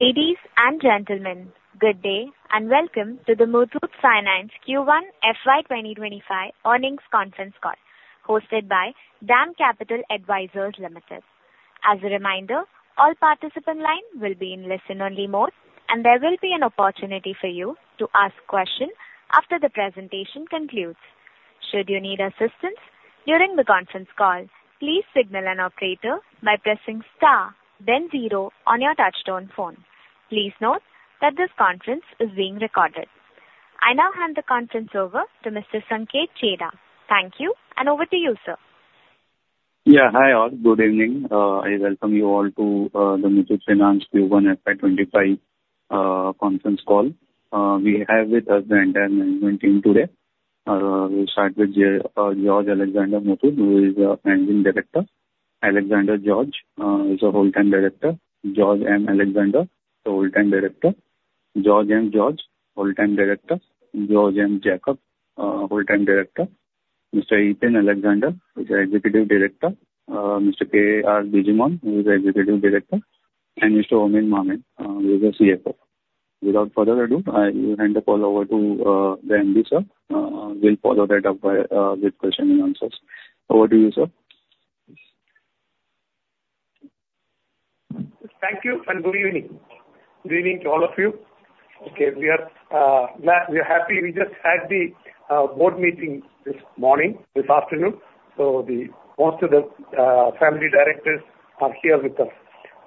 Ladies and gentlemen, good day, and welcome to the Muthoot Finance Q1 FY 2025 earnings conference call, hosted by DAM Capital Advisors Limited. As a reminder, all participant line will be in listen-only mode, and there will be an opportunity for you to ask question after the presentation concludes. Should you need assistance during the conference call, please signal an operator by pressing star then zero on your touchtone phone. Please note that this conference is being recorded. I now hand the conference over to Mr. Sanket Chheda. Thank you, and over to you, sir. Yeah. Hi, all. Good evening. I welcome you all to the Muthoot Finance Q1 FY25 conference call. We have with us the entire management team today. We'll start with George Alexander Muthoot, who is our Managing Director. Alexander George is a Whole-time Director. George M. Alexander, a Whole-time Director. George M. George, Whole-time Director. George M. Jacob, Whole-time Director. Mr. Eapen Alexander, who's our Executive Director. Mr. K.R. Bijimon, who is our Executive Director, and Mr. Oommen K. Mammen, who is our CFO. Without further ado, I will hand the call over to the MD, sir. We'll follow that up with question and answers. Over to you, sir. Thank you, and good evening. Good evening to all of you. Okay, we are glad, we are happy. We just had the board meeting this morning, this afternoon, so the most of the family directors are here with us.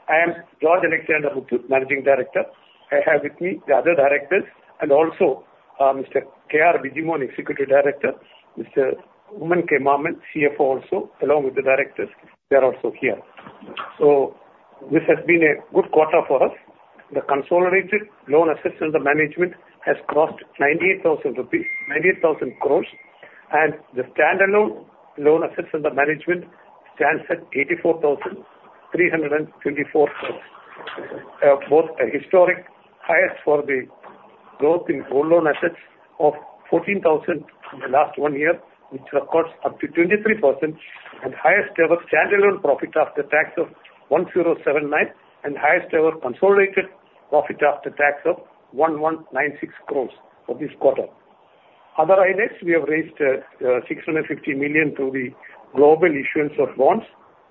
I am George Alexander Muthoot, Managing Director. I have with me the other directors and also Mr. K.R. Bijimon, Executive Director. Mr. Oommen K. Mammen, CFO, also, along with the directors, they are also here. So this has been a good quarter for us. The consolidated loan assets under management has crossed 98,000 crore, and the standalone loan assets under management stands at 84,324 crore. Both a historic highest for the growth in gold loan assets of 14,000 in the last one year, which records up to 23% and highest ever standalone profit after tax of 1,079 crore, and highest ever consolidated profit after tax of 1,196 crores for this quarter. Other highlights, we have raised $650 million through the global issuance of bonds,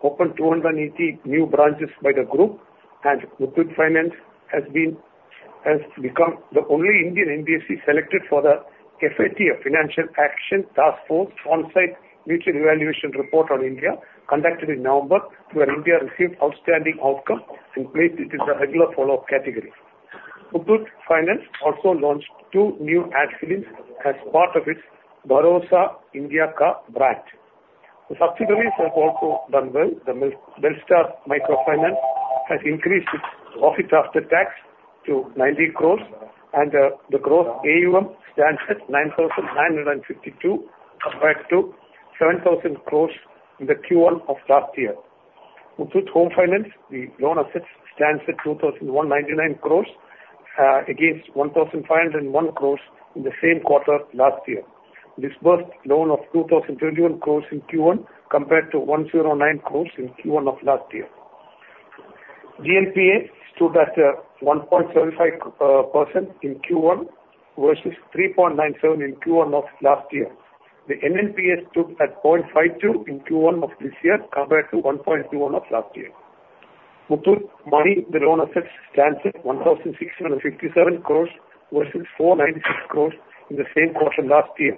opened 280 new branches by the group, and Muthoot Finance has been, has become the only Indian NBFC selected for the FATF, Financial Action Task Force, on-site mutual evaluation report on India, conducted in November, where India received outstanding outcome and placed it in the regular follow-up category. Muthoot Finance also launched 2 new ad films as part of its Bharosa India Ka brand. The subsidiaries have also done well. Belstar Microfinance has increased its profit after tax to 90 crore and the growth AUM stands at 9,952 crore, compared to 7,000 crore in the Q1 of last year. Muthoot Homefin, the loan assets stands at 2,199 crore against 1,501 crore in the same quarter last year. Disbursed loan of 2,021 crore in Q1, compared to 109 crore in Q1 of last year. GNPA stood at 1.75% in Q1 versus 3.97% in Q1 of last year. The NNPA stood at 0.52% in Q1 of this year, compared to 1.21% of last year. Muthoot Money, the loan assets stands at 1,657 crores, versus 496 crores in the same quarter last year.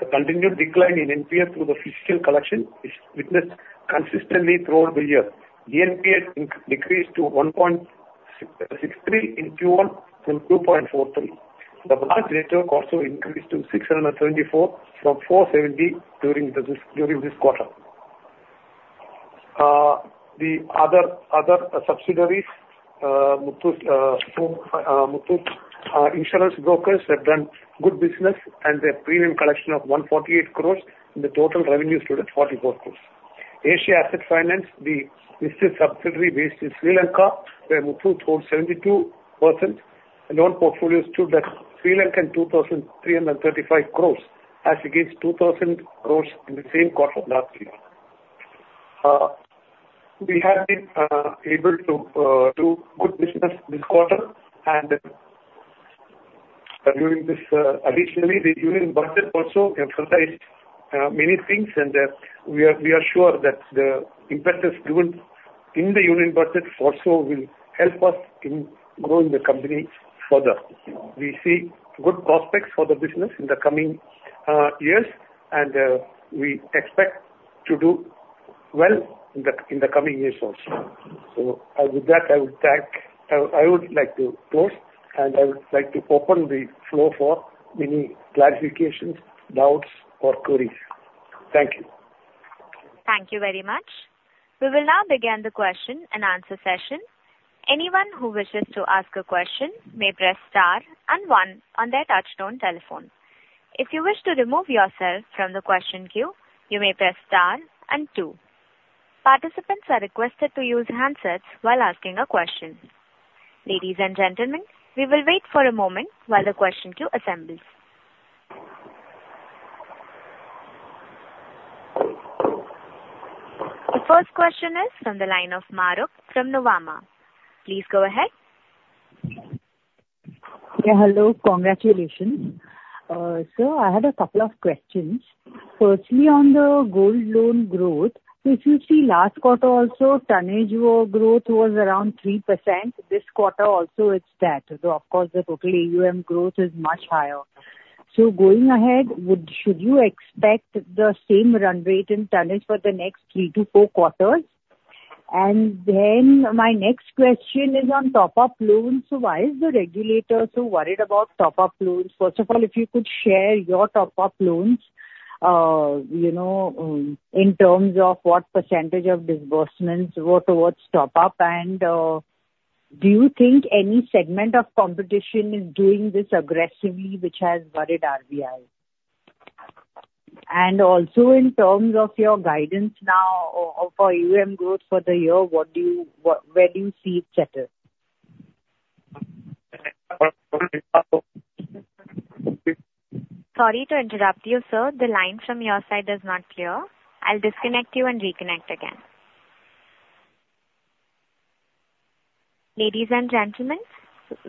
The continued decline in NPA through the fiscal collection is witnessed consistently throughout the year. GNPA decreased to 1.663 in Q1 from 2.43. The branch network also increased to 674 from 470 during this quarter. The other subsidiaries, Muthoot Homefin, Muthoot Insurance Brokers have done good business, and their premium collection of 148 crores, and the total revenue stood at 44 crores. Asia Asset Finance, the listed subsidiary based in Sri Lanka, where Muthoot holds 72%, and loan portfolio stood at LKR 2,335 crores as against LKR 2,000 crores in the same quarter last year. We have been able to do good business this quarter, and during this, additionally, the Union Budget also emphasized many things, and we are, we are sure that the impact is given in the Union Budget also will help us in growing the company further. We see good prospects for the business in the coming years, and we expect to do well in the coming years also. So, with that, I would thank... I, I would like to close, and I would like to open the floor for any clarifications, doubts, or queries. Thank you. Thank you very much. We will now begin the question and answer session. Anyone who wishes to ask a question may press star and one on their touchtone telephone. If you wish to remove yourself from the question queue, you may press star and two. Participants are requested to use handsets while asking a question. Ladies and gentlemen, we will wait for a moment while the question queue assembles.... The first question is from the line of Mahrukh from Nuvama. Please go ahead. Yeah, hello. Congratulations. So I had a couple of questions. Firstly, on the gold loan growth, if you see last quarter also, tonnage growth was around 3%. This quarter also it's that. So of course, the total AUM growth is much higher. So going ahead, would, should you expect the same run rate in tonnage for the next 3 to 4 quarters? And then my next question is on top-up loans. So why is the regulator so worried about top-up loans? First of all, if you could share your top-up loans, you know, in terms of what percentage of disbursements were towards top-up. And, do you think any segment of competition is doing this aggressively, which has worried RBI? And also, in terms of your guidance now of, of our AUM growth for the year, what do you, where do you see it settle? Sorry to interrupt you, sir. The line from your side is not clear. I'll disconnect you and reconnect again. Ladies and gentlemen,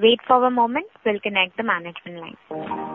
wait for a moment. We'll connect the management line.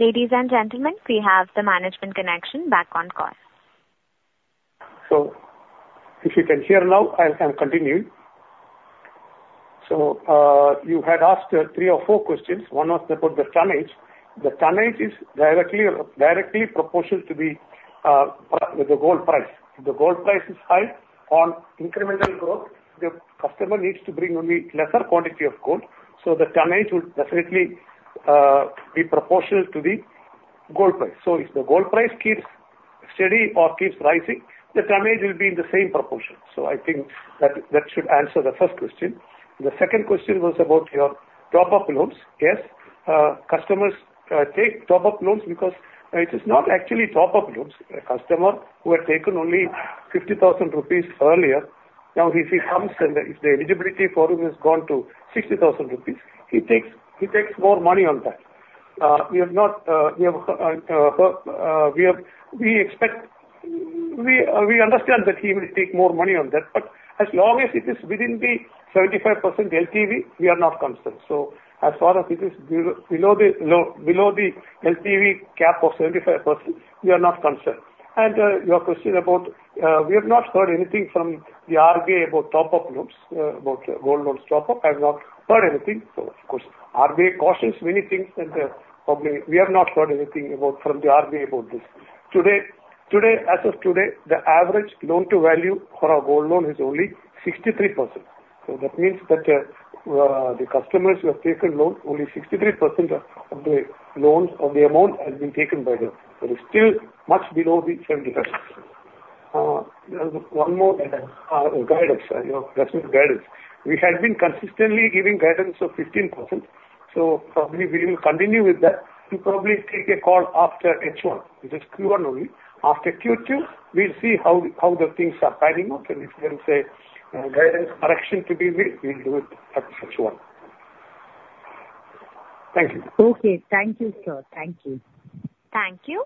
Ladies and gentlemen, we have the management connection back on call. So if you can hear now, I'll continue. So you had asked three or four questions. One was about the tonnage. The tonnage is directly proportional to the with the gold price. If the gold price is high on incremental growth, the customer needs to bring only lesser quantity of gold, so the tonnage would definitely be proportional to the gold price. So if the gold price keeps steady or keeps rising, the tonnage will be in the same proportion. So I think that, that should answer the first question. The second question was about your top-up loans. Yes, customers take top-up loans because... It is not actually top-up loans. A customer who had taken only 50,000 rupees earlier, now, if he comes and if the eligibility for him has gone to 60,000 rupees, he takes, he takes more money on that. We expect, we, we understand that he will take more money on that, but as long as it is within the 75% LTV, we are not concerned. So as far as it is below, below the, below the LTV cap of 75%, we are not concerned. And, your question about, we have not heard anything from the RBI about top-up loans, about gold loans top-up. I've not heard anything. So of course, RBI cautions many things, and, probably we have not heard anything about, from the RBI about this. Today, as of today, the average loan-to-value for our gold loan is only 63%. So that means that the customers who have taken loan, only 63% of the loans, of the amount has been taken by them. That is still much below the 75. There was one more guidance, you know, that's with guidance. We had been consistently giving guidance of 15%, so probably we will continue with that. We'll probably take a call after H1, which is Q1 only. After Q2, we'll see how the things are panning out, and if there is a guidance correction to be made, we'll do it at H1. Thank you. Okay. Thank you, sir. Thank you. Thank you.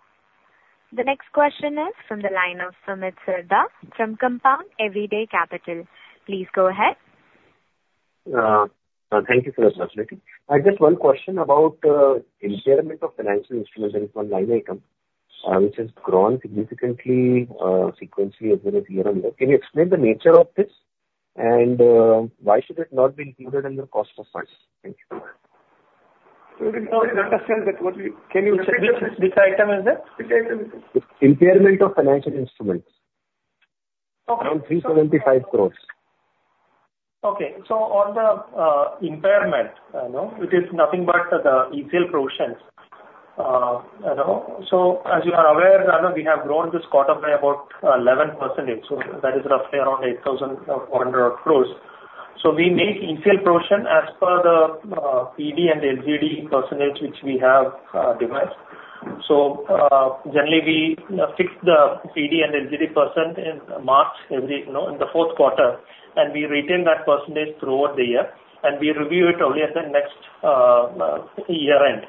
The next question is from the line of Sumit Sarda from Compound Everyday Capital. Please go ahead. Thank you for this opportunity. I just one question about impairment of financial instruments and from line item, which has grown significantly, sequentially as well as year on year. Can you explain the nature of this, and why should it not be included in your cost of funds? Thank you. Sorry, I did not understand that. Can you- Which item is that? Which item is it? Impairment of financial instruments. Okay. Around 375 crore. Okay. So on the impairment, no, it is nothing but the, the ECL provisions. You know, so as you are aware, I know we have grown this quarter by about 11%, so that is roughly around 8,400 crore. So we make ECL provision as per the PD and LGD percentage, which we have determined. So, generally we fix the PD and LGD percent in March, every, you know, in the fourth quarter, and we retain that percentage throughout the year, and we review it only at the next year end.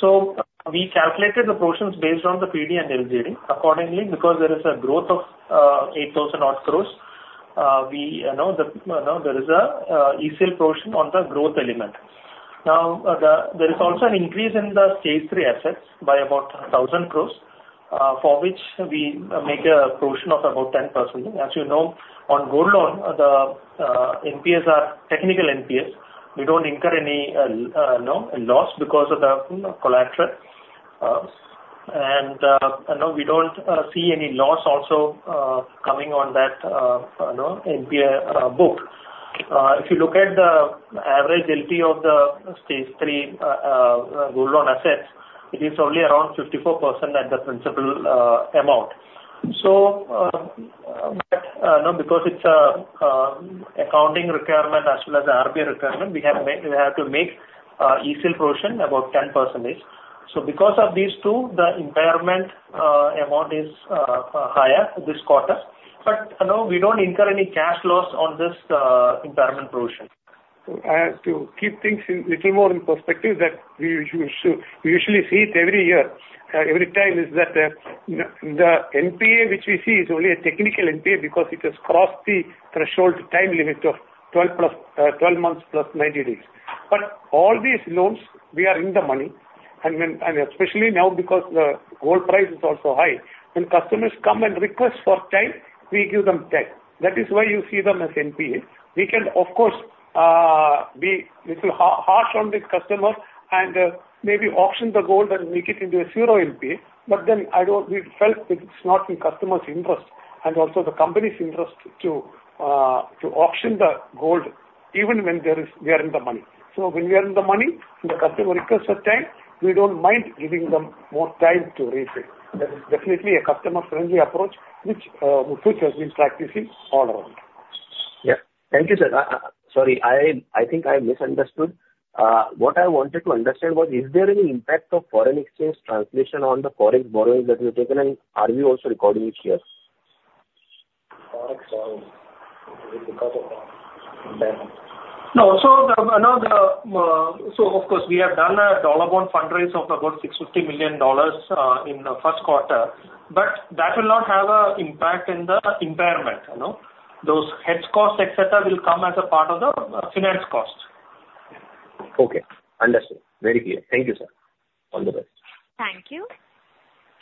So we calculated the provisions based on the PD and LGD. Accordingly, because there is a growth of eight thousand odd crores, we, you know, the, you know, there is a ECL provision on the growth element. Now, there is also an increase in the Stage Three assets by about 1,000 crore, for which we make a provision of about 10%. As you know, on gold loan, NPAs are technical NPAs. We don't incur any no loss because of the collateral.... and no, we don't see any loss also coming on that, you know, NPA book. If you look at the average LTV of the Stage Three gold loan assets, it is only around 54% at the principal amount. So, no, because it's a accounting requirement as well as RBI requirement, we have made, we have to make, ECL provision about 10%. So because of these two, the impairment amount is higher this quarter, but, you know, we don't incur any cash loss on this impairment provision. To keep things in little more in perspective that we usually see it every year, every time is that the NPA which we see is only a technical NPA because it has crossed the threshold time limit of 12-plus 12 months plus 90 days. But all these loans, we are in the money, and especially now, because the gold price is also high, when customers come and request for time, we give them time. That is why you see them as NPA. We can of course be little harsh on this customer and maybe auction the gold and make it into a zero NPA, but then we felt it's not in customer's interest and also the company's interest to auction the gold even when we are in the money. So when we are in the money, and the customer requests for time, we don't mind giving them more time to repay. That is definitely a customer-friendly approach, which has been practicing all around. Yeah. Thank you, sir. Sorry, I, I think I misunderstood. What I wanted to understand was, is there any impact of foreign exchange translation on the foreign borrowing that we taken, and are you also recording it here? No. So of course, we have done a dollar bond fundraise of about $650 million in the first quarter, but that will not have an impact in the impairment, you know. Those hedge costs, et cetera, will come as a part of the finance cost. Okay. Understood. Very clear. Thank you, sir. All the best. Thank you.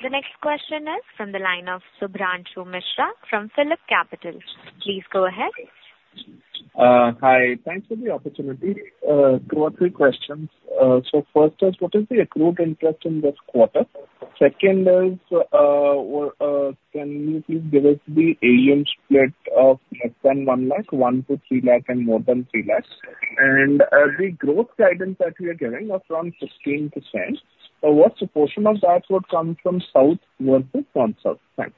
The next question is from the line of Shubhranshu Mishra from PhillipCapital. Please go ahead. Hi. Thanks for the opportunity. 2 or 3 questions. So first is, what is the accrued interest in this quarter? Second is, can you please give us the AUM split of less than 1 lakh, 1 to 3 lakh and more than 3 lakhs? And, the growth guidance that we are giving of around 16%, what proportion of that would come from south versus north, south? Thanks.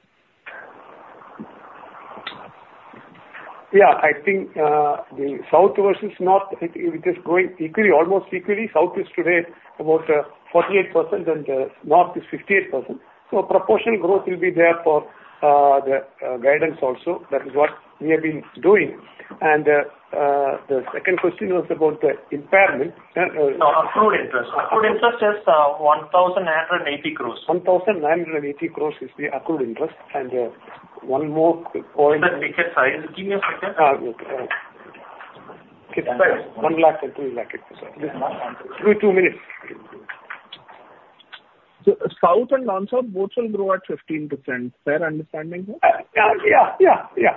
Yeah, I think, the south versus north, it is growing equally, almost equally. South is today about 48% and north is 58%. So proportional growth will be there for the guidance also. That is what we have been doing. And the second question was about the impairment. No, accrued interest. Accrued interest is 1,980 crore. 1,980 crore is the accrued interest. And, one more point- Sir, can you give me a second? Okay. 1 lakh or 2 lakh, give 2 minutes. South and North, both will grow at 15%. Fair understanding, sir? Yeah, yeah, yeah.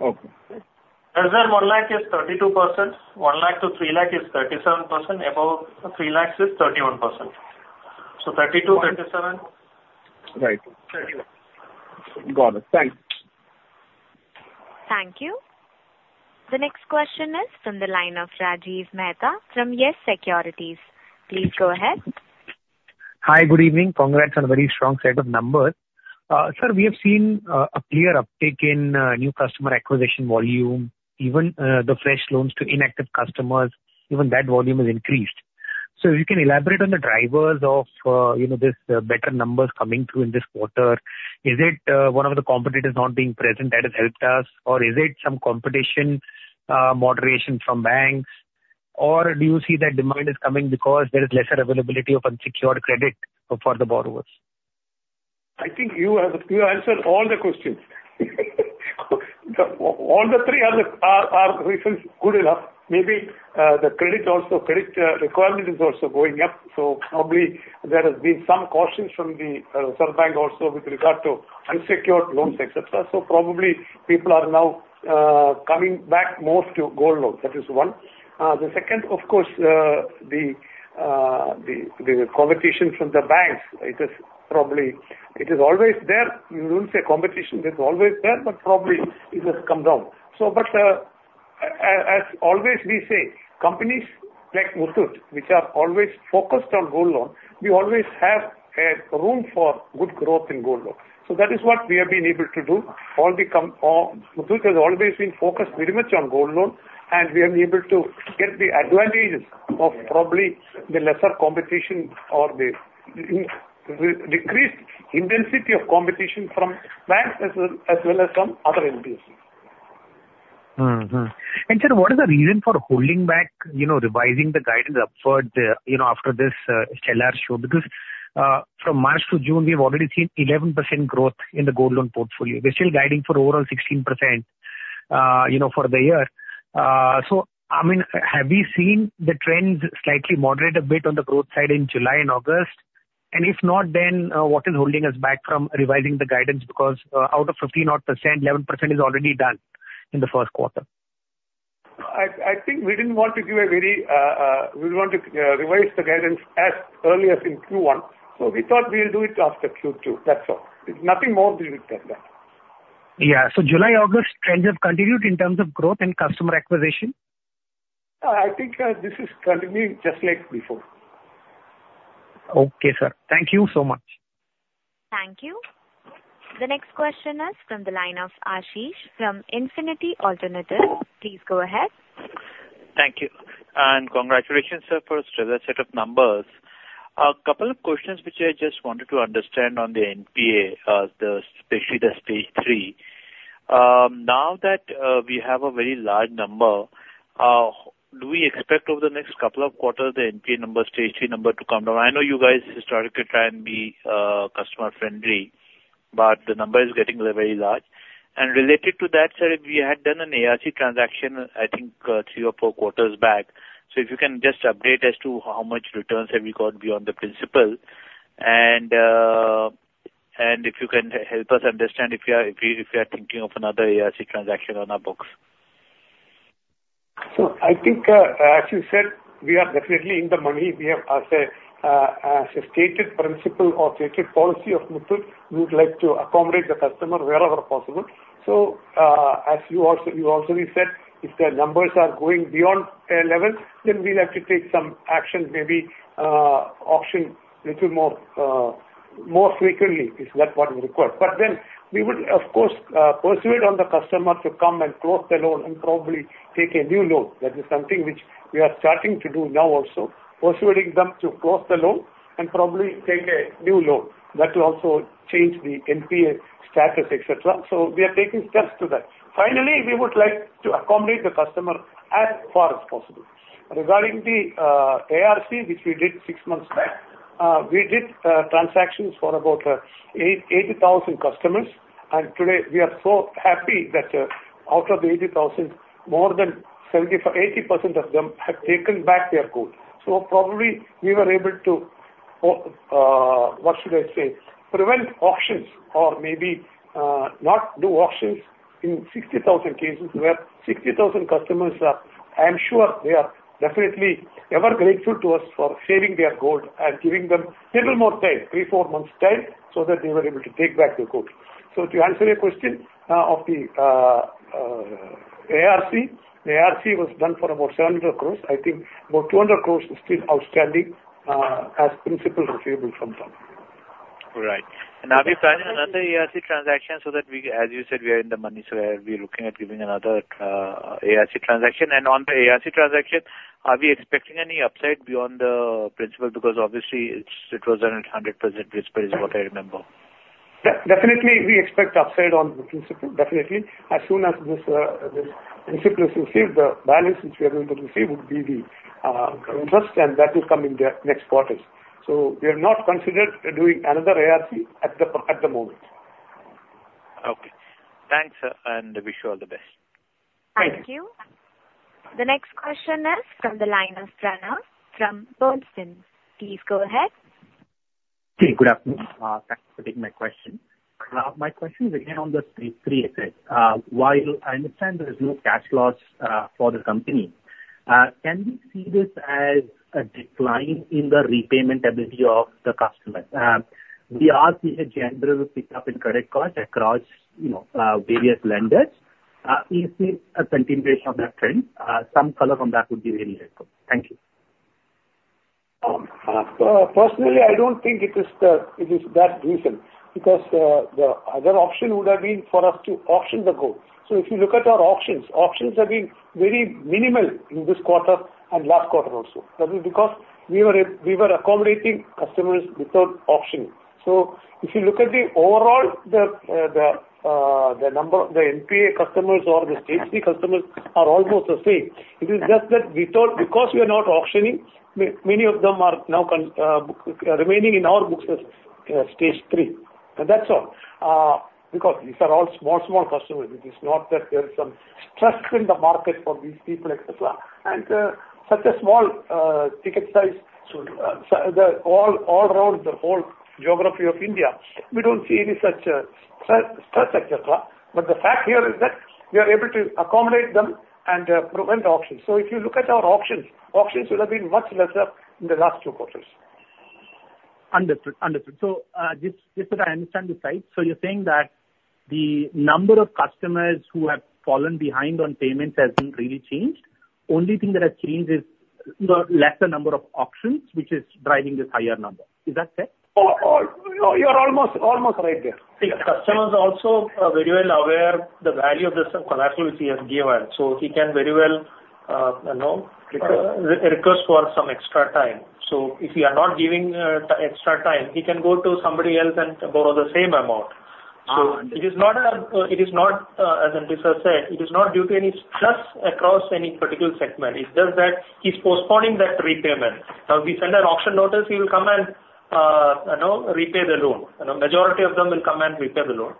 Okay. Less than 1 lakh is 32%. 1 lakh to 3 lakh is 37%. Above 3 lakhs is 31%. So 32, 37- Right. Thirty-one. Got it. Thanks. Thank you. The next question is from the line of Rajiv Mehta from YES Securities. Please go ahead. Hi, good evening. Congrats on a very strong set of numbers. Sir, we have seen a clear uptick in new customer acquisition volume, even the fresh loans to inactive customers, even that volume has increased. So you can elaborate on the drivers of, you know, this better numbers coming through in this quarter. Is it one of the competitors not being present that has helped us, or is it some competition moderation from banks? Or do you see that demand is coming because there is lesser availability of unsecured credit for the borrowers? I think you have answered all the questions. So all the three are reasons good enough. Maybe the credit requirement is also going up, so probably there has been some caution from the certain bank also with regard to unsecured loans, et cetera. So probably people are now coming back more to gold loans. That is one. The second, of course, the competition from the banks, it is probably. It is always there. You wouldn't say competition is always there, but probably it has come down. So but, as always, we say, companies like Muthoot, which are always focused on gold loan, we always have a room for good growth in gold loan. So that is what we have been able to do. Muthoot has always been focused very much on gold loan, and we have been able to get the advantage of probably the lesser competition or the decreased intensity of competition from banks as well, as well as from other NBFCs. Mm-hmm. Sir, what is the reason for holding back, you know, revising the guidance upward, you know, after this stellar show? Because from March to June, we have already seen 11% growth in the gold loan portfolio. We're still guiding for overall 16%, you know, for the year. So I mean, have we seen the trends slightly moderate a bit on the growth side in July and August? And if not, then what is holding us back from revising the guidance? Because out of 15-odd%, 11% is already done in the first quarter.... I think we didn't want to give a very, we want to revise the guidance as early as in Q1, so we thought we'll do it after Q2. That's all. It's nothing more than that. Yeah. So July, August, trends have continued in terms of growth and customer acquisition? I think, this is continuing just like before. Okay, sir. Thank you so much. Thank you. The next question is from the line of Ashish from Infinity Alternatives. Please go ahead. Thank you, and congratulations, sir, for a stellar set of numbers. A couple of questions which I just wanted to understand on the NPA, especially the stage three. Now that we have a very large number, do we expect over the next couple of quarters the NPA number, stage three number to come down? I know you guys historically try and be customer friendly, but the number is getting very large. And related to that, sir, if we had done an ARC transaction, I think three or four quarters back, so if you can just update as to how much returns have you got beyond the principal, and if you can help us understand if you are thinking of another ARC transaction on our books. So I think, as you said, we are definitely in the money. We have as a, as a stated principle or stated policy of Muthoot, we would like to accommodate the customer wherever possible. So, as you also, you also said, if the numbers are going beyond a level, then we'll have to take some action, maybe, auction little more, more frequently, if that what is required. But then we would, of course, persuade on the customer to come and close the loan and probably take a new loan. That is something which we are starting to do now also, persuading them to close the loan and probably take a new loan. That will also change the NPA status, et cetera. So we are taking steps to that. Finally, we would like to accommodate the customer as far as possible. Regarding the ARC, which we did six months back, we did transactions for about 80,000 customers, and today we are so happy that, out of the 80,000, more than 80% of them have taken back their gold. So probably we were about to, what should I say? Prevent auctions or maybe not do auctions in 60,000 cases, where 60,000 customers are, I am sure they are definitely ever grateful to us for saving their gold and giving them little more time, 3-4 months time, so that they were able to take back the gold. So to answer your question, of the ARC, the ARC was done for about 700 crore. I think about 200 crore is still outstanding as principal receivable from them. Right. And are we planning another ARC transaction so that we, as you said, we are in the money, so are we looking at giving another ARC transaction? And on the ARC transaction, are we expecting any upside beyond the principal? Because obviously it's, it was done at 100% risk, is what I remember. Definitely we expect upside on the principal, definitely. As soon as this principal receives the balance, which we are going to receive, would be the interest, and that will come in the next quarters. So we have not considered doing another ARC at the moment. Okay. Thanks, sir, and wish you all the best. Thank you. Thank you. The next question is from the line of Pranav from Goldman Sachs. Please go ahead. Okay, good afternoon. Thanks for taking my question. My question is again on the Stage Three asset. While I understand there is no cash loss for the company, can we see this as a decline in the repayment ability of the customer? We are seeing a general pickup in credit card across, you know, various lenders. Do you see a continuation of that trend? Some color from that would be very helpful. Thank you. So personally, I don't think it is that reason, because the other option would have been for us to auction the gold. So if you look at our auctions, auctions have been very minimal in this quarter and last quarter also. That is because we were accommodating customers without auction. So if you look at the overall, the number, the NPA customers or the Stage Three customers are almost the same. It is just that we thought because we are not auctioning, many of them are now remaining in our books as Stage Three. And that's all. Because these are all small, small customers, it is not that there is some stress in the market for these people, et cetera. Such a small ticket size, so all around the whole geography of India, we don't see any such stress, et cetera. But the fact here is that we are able to accommodate them and prevent auctions. So if you look at our auctions, auctions would have been much lesser in the last two quarters. Understood. Understood. So, just so I understand the slide, so you're saying that the number of customers who have fallen behind on payments hasn't really changed. Only thing that has changed is the lesser number of auctions, which is driving this higher number. Is that fair? Oh, oh, you are almost, almost right there. The customer is also very well aware the value of this collateral he has given, so he can very well, you know, request, request for some extra time. So if we are not giving extra time, he can go to somebody else and borrow the same amount. Ah! So it is not, it is not, as Nischint sir said, it is not due to any stress across any particular segment. It's just that he's postponing that repayment. Now, we send an auction notice, he will come and, you know, repay the loan. You know, majority of them will come and repay the loan.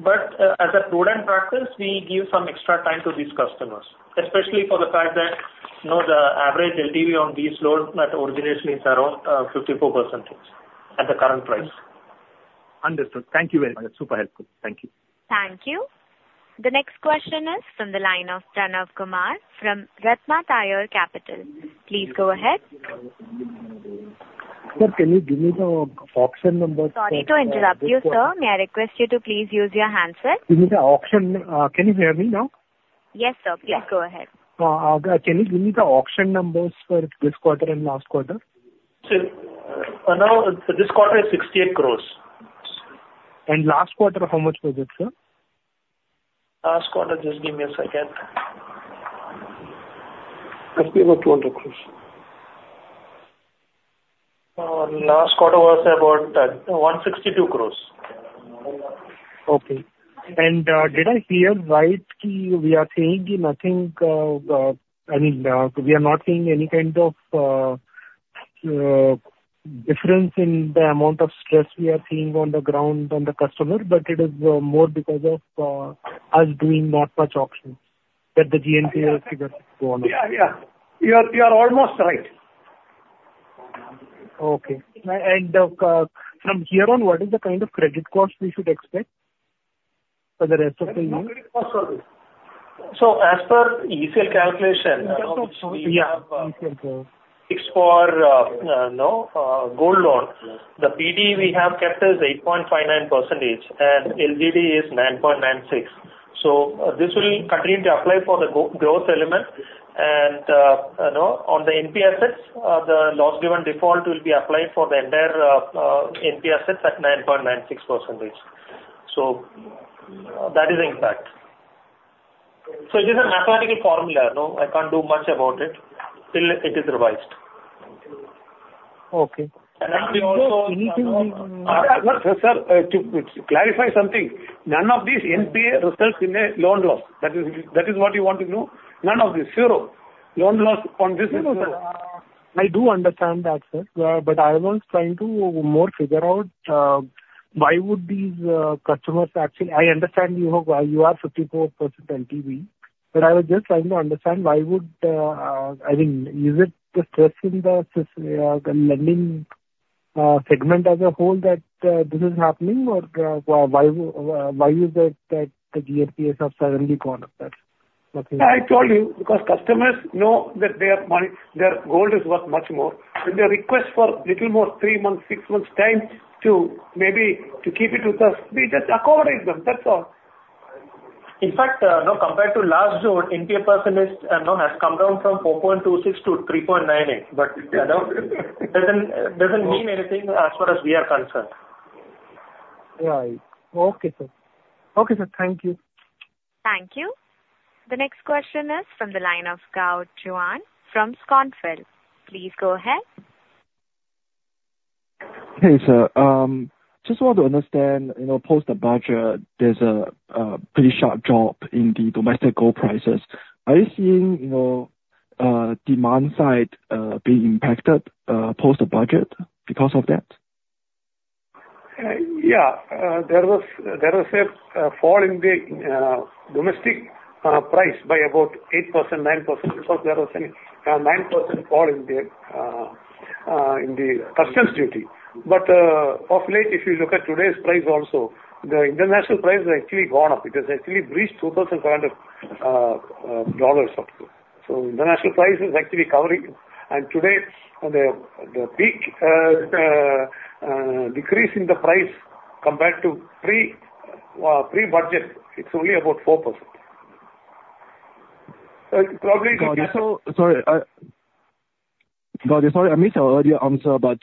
But as a prudent practice, we give some extra time to these customers, especially for the fact that, you know, the average LTV on these loans at origination is around 54% range at the current price. ...Understood. Thank you very much. Super helpful. Thank you. Thank you. The next question is from the line of Pranav Kumar from Ratnabali Capital Markets. Please go ahead. Sir, can you give me the auction numbers? Sorry to interrupt you, sir. May I request you to please use your handset? Give me the auction. Can you hear me now? Yes, sir. Please go ahead. Can you give me the auction numbers for this quarter and last quarter? Sir, for now, this quarter is 68 crore. Last quarter, how much was it, sir? Last quarter, just give me a second. Must be about 200 crore. Last quarter was about 10,162 crore. Okay. And, did I hear right, ki, we are saying nothing, I mean, we are not seeing any kind of difference in the amount of stress we are seeing on the ground on the customer, but it is more because of us doing not much auctions that the GNPA has gone up? Yeah, yeah. You are, you are almost right. Okay. From here on, what is the kind of credit cost we should expect for the rest of the year? So as per ECL calculation, yeah, it's for, no, gold loan. The PD we have kept is 8.59%, and LGD is 9.96. So this will continue to apply for the gold-growth element. And, you know, on the NPA assets, the loss given default will be applied for the entire NPA assets at 9.96%. So that is the impact. So it is a mathematical formula, no? I can't do much about it till it is revised. Okay. Also, sir, to clarify something, none of these NPA results in a loan loss. That is, that is what you want to know? None of this. Zero. Loan loss on this is zero. I do understand that, sir, but I was trying to more figure out why would these customers actually... I understand you have, you are 54% LTV, but I was just trying to understand why would, I mean, is it the stress in the lending segment as a whole that this is happening? Or, why, why is it that the GNPA have suddenly gone up, sir? I told you, because customers know that their money, their gold is worth much more. When they request for little more, three months, six months time to maybe to keep it with us, we just accommodate them. That's all. In fact, you know, compared to last June, NPA percentage, you know, has come down from 4.26% to 3.98%. But I know doesn't mean anything as far as we are concerned. Right. Okay, sir. Okay, sir. Thank you. Thank you. The next question is from the line of Gao Zhixuan from Schonfeld. Please go ahead. Hey, sir. Just want to understand, you know, post the budget, there's a pretty sharp drop in the domestic gold prices. Are you seeing, you know, demand side being impacted post the budget because of that? Yeah. There was a fall in the domestic price by about 8%-9%, because there was a 9% fall in the customs duty. But of late, if you look at today's price also, the international price has actually gone up. It has actually breached 2,000 kind of dollars of gold. So international price is actually covering, and today, the peak decrease in the price compared to pre-budget, it's only about 4%. Probably- Got it. So sorry. Got it. Sorry, I missed your earlier answer, but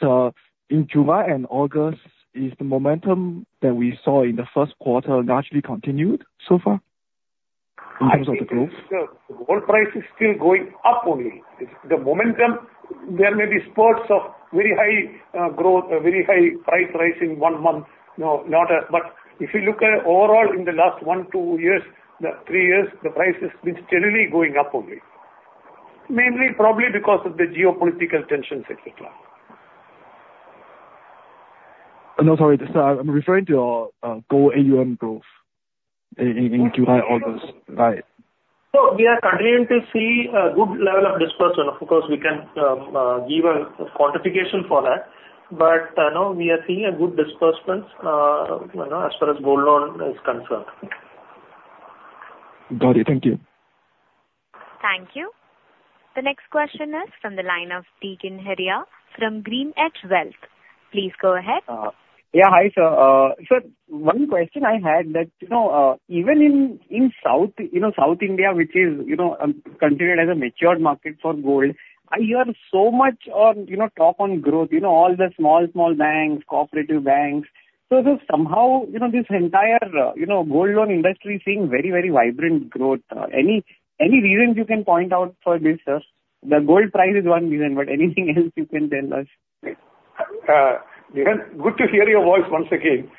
in July and August, is the momentum that we saw in the first quarter largely continued so far in terms of the growth? The gold price is still going up only. It's the momentum, there may be spurts of very high growth, very high price rise in 1 month. But if you look at overall in the last 1-2 years, the 3 years, the price has been steadily going up only. Mainly, probably because of the geopolitical tensions, et cetera. No, sorry, sir, I'm referring to your gold AUM growth in Q2, August, right? So we are continuing to see a good level of dispersal. Of course, we can give a quantification for that, but now we are seeing a good disbursements, you know, as far as gold loan is concerned. Got it. Thank you. Thank you. The next question is from the line of Digant Haria from Green Edge Wealth. Please go ahead. Yeah, hi, sir. So one question I had that, you know, even in South, you know, South India, which is, you know, considered as a mature market for gold, I hear so much on, you know, talk on growth, you know, all the small, small banks, cooperative banks. So somehow, you know, this entire, you know, gold loan industry is seeing very, very vibrant growth. Any reasons you can point out for this, sir? The gold price is one reason, but anything else you can tell us? Tikin, good to hear your voice once again.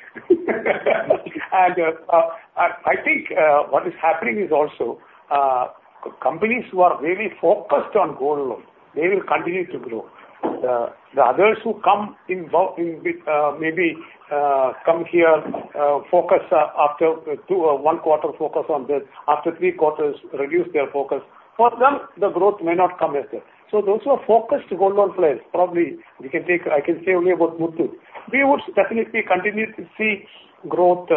I think what is happening is also companies who are really focused on gold loan, they will continue to grow. The others who come in, maybe, come here, focus after 2, 1 quarter, focus on this, after 3 quarters, reduce their focus. For them, the growth may not come as well. So those who are focused gold loan players, probably we can take, I can say only about Muthoot. We would definitely continue to see growth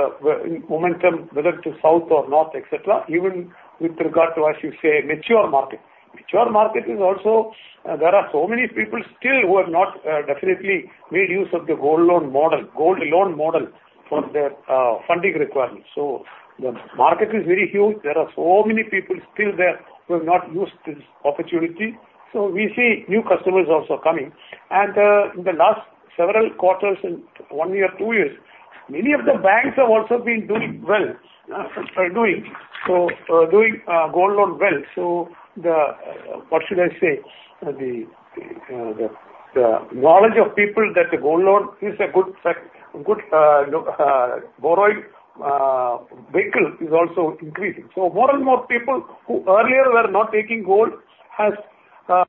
in momentum, whether to south or north, et cetera, even with regard to, as you say, mature market. Mature market is also, there are so many people still who have not definitely made use of the gold loan model, gold loan model for their funding requirements. So the market is very huge. There are so many people still there who have not used this opportunity, so we see new customers also coming. In the last several quarters, in one year, two years, many of the banks have also been doing well, are doing gold loan well. So what should I say? The knowledge of people that the gold loan is a good borrowing vehicle is also increasing. So more and more people who earlier were not taking gold has, they are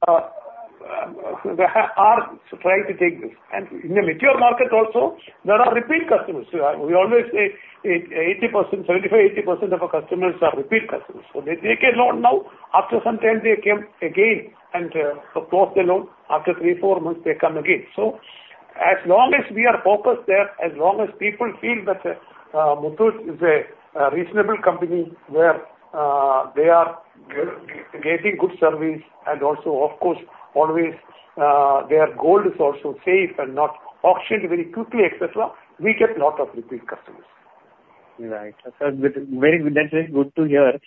trying to take this. And in the mature market also, there are repeat customers. We always say 80%, 70%-80% of our customers are repeat customers. So they take a loan now, after some time they come again and close the loan. After 3, 4 months, they come again. So as long as we are focused there, as long as people feel that Muthoot is a reasonable company where they are getting good service and also, of course, always their gold is also safe and not auctioned very quickly, et cetera, we get lot of repeat customers. Right. Sir, that is very good to hear.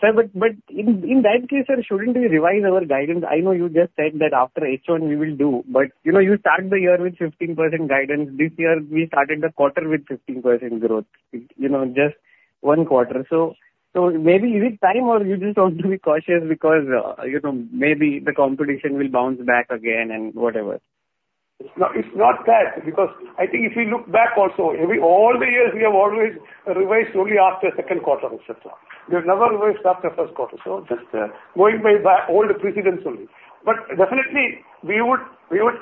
Sir, but in that case, sir, shouldn't we revise our guidance? I know you just said that after H1 we will do, but you know, you start the year with 15% guidance. This year we started the quarter with 15% growth, you know, just one quarter. So maybe is it time or you just want to be cautious because you know, maybe the competition will bounce back again and whatever? It's not, it's not that, because I think if you look back also, every, all the years we have always revised only after second quarter, et cetera. We have never revised after first quarter, so just, going by old precedence only. But definitely we would, we would,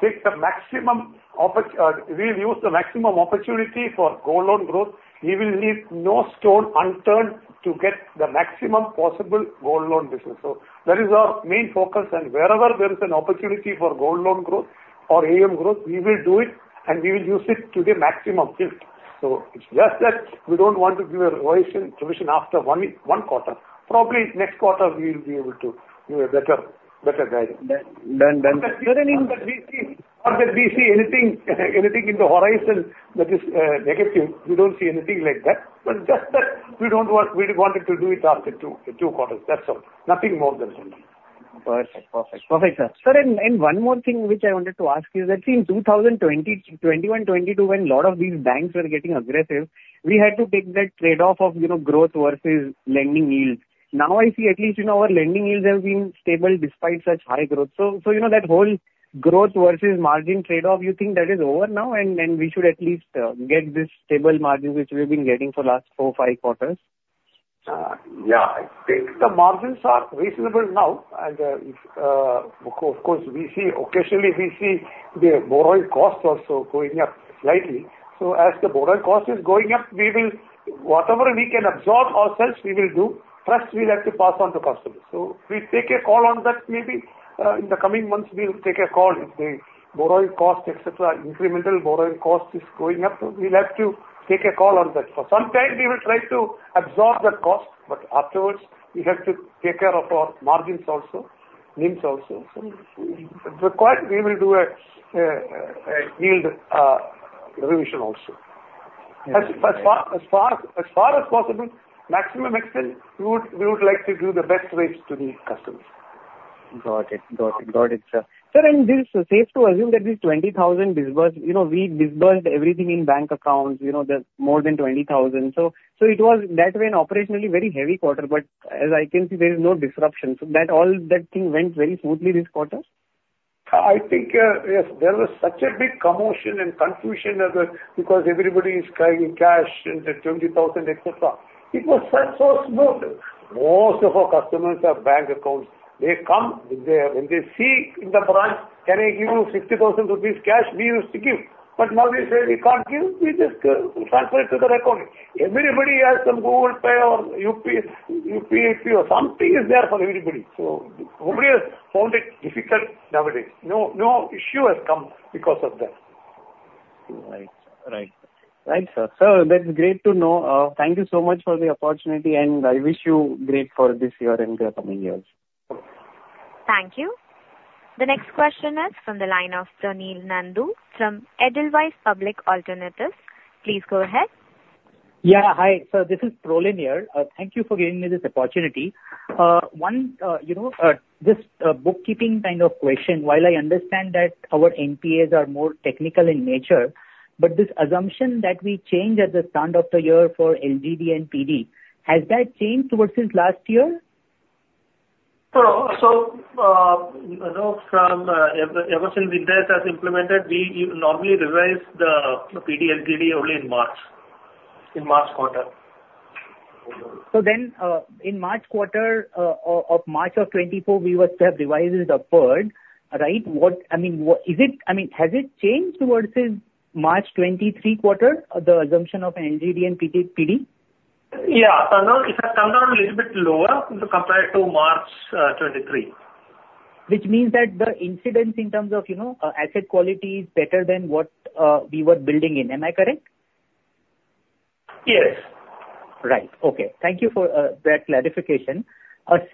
take the maximum opportunity for gold loan growth. We will leave no stone unturned to get the maximum possible gold loan business. So that is our main focus, and wherever there is an opportunity for gold loan growth or AM growth, we will do it, and we will use it to the maximum tilt. So it's just that we don't want to give a revision, revision after one, one quarter. Probably next quarter we will be able to give a better, better guidance. Then, then, then- Not that we see anything in the horizon that is negative. We don't see anything like that. But just that we don't want, we wanted to do it after two quarters. That's all. Nothing more than that. Perfect. Perfect. Perfect, sir. Sir, and, and one more thing which I wanted to ask is that in 2020, '21 and '22, when a lot of these banks were getting aggressive, we had to take that trade-off of, you know, growth versus lending yields. Now I see at least, you know, our lending yields have been stable despite such high growth. So, so, you know, that whole growth versus margin trade-off, you think that is over now, and, and we should at least get this stable margin which we've been getting for last four, five quarters? Yeah, I think the margins are reasonable now. And, of course, we see occasionally the borrowing costs also going up slightly. So as the borrowing cost is going up, we will, whatever we can absorb ourselves, we will do. Plus, we'll have to pass on to customers. So we take a call on that. Maybe, in the coming months, we'll take a call. If the borrowing cost, et cetera, incremental borrowing cost is going up, we'll have to take a call on that. So sometime we will try to absorb the cost, but afterwards we have to take care of our margins also, yields also. So if required, we will do a yield revision also. Yes. As far as possible, maximum extent, we would like to give the best rates to the customers. Got it. Got it. Got it, sir. Sir, and is it safe to assume that these 20,000 disbursed, you know, we disbursed everything in bank accounts, you know, there's more than 20,000. So, so it was that way and operationally very heavy quarter, but as I can see, there is no disruption. So that, all that thing went very smoothly this quarter? I think yes, there was such a big commotion and confusion because everybody is carrying cash and the 20,000, et cetera. It was so smooth. Most of our customers have bank accounts. They come, when they see in the branch, "Can I give you 60,000 rupees cash?" We used to give, but now we say, "We can't give. We just transfer it to the account." Everybody has some Google Pay or UPI or something is there for everybody, so nobody has found it difficult nowadays. No, no issue has come because of that. Right. Right. Right, sir. Sir, that's great to know. Thank you so much for the opportunity, and I wish you great for this year and the coming years. Thank you. The next question is from the line of Parin Mehta from Edelweiss Public Alternatives. Please go ahead. Yeah. Hi. This is Parin here. Thank you for giving me this opportunity. One, you know, just bookkeeping kind of question. While I understand that our NPAs are more technical in nature, but this assumption that we changed at the start of the year for LGD and PD, has that changed towards since last year? So, you know, from ever since IND AS has implemented, we normally revise the PD, LGD only in March, in March quarter. So then, in March quarter of March of 2024, we were to have revised it upward, right? What... I mean, what is it, I mean, has it changed towards this March 2023 quarter, the assumption of NGD and PD, PD? Yeah. It has come down a little bit lower compared to March 2023. Which means that the incidence in terms of, you know, asset quality is better than what we were building in. Am I correct?... Yes. Right. Okay. Thank you for that clarification.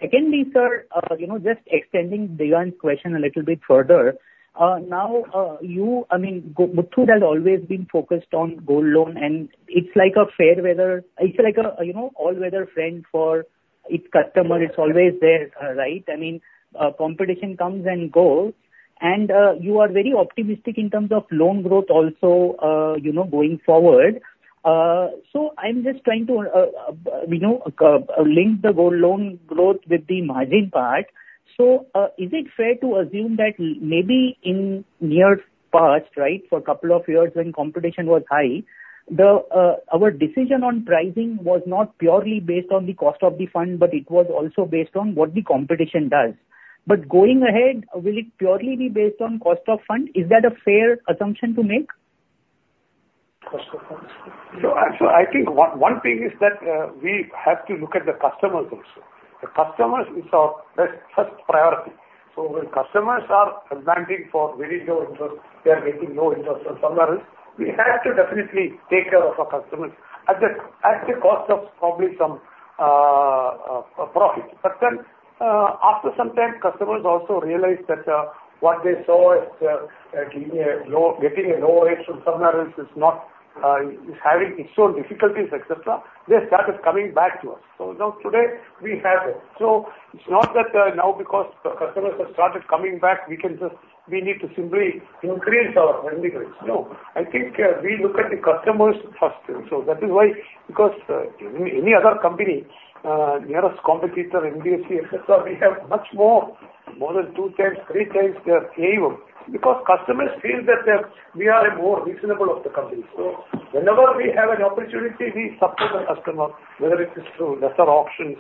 Secondly, sir, you know, just extending Digant's question a little bit further. Now, you, I mean, George Muthoot has always been focused on gold loan, and it's like a fair-weather—it's like a, you know, all-weather friend for its customer. It's always there, right? I mean, competition comes and goes, and you are very optimistic in terms of loan growth also, you know, going forward. So I'm just trying to, you know, link the gold loan growth with the margin part. Is it fair to assume that maybe in near past, right, for a couple of years when competition was high, our decision on pricing was not purely based on the cost of the fund, but it was also based on what the competition does. But going ahead, will it purely be based on cost of fund? Is that a fair assumption to make? Cost of funds. So actually, I think one thing is that we have to look at the customers also. The customers is our best, first priority. So when customers are demanding for very low interest, they are getting low interest from somewhere else, we have to definitely take care of our customers at the cost of probably some profit. But then, after some time, customers also realize that what they saw as getting a low rate from somewhere else is not, is having its own difficulties, et cetera. They started coming back to us. So now today, we have it. So it's not that now, because the customers have started coming back, we can just, we need to simply increase our lending rates. No. I think we look at the customers first. So that is why... Because, any, any other company, nearest competitor, NDFC, et cetera, we have much more, more than 2 times, 3 times their AUM, because customers feel that, we are a more reasonable of the company. So whenever we have an opportunity, we support the customer, whether it is through lesser auctions,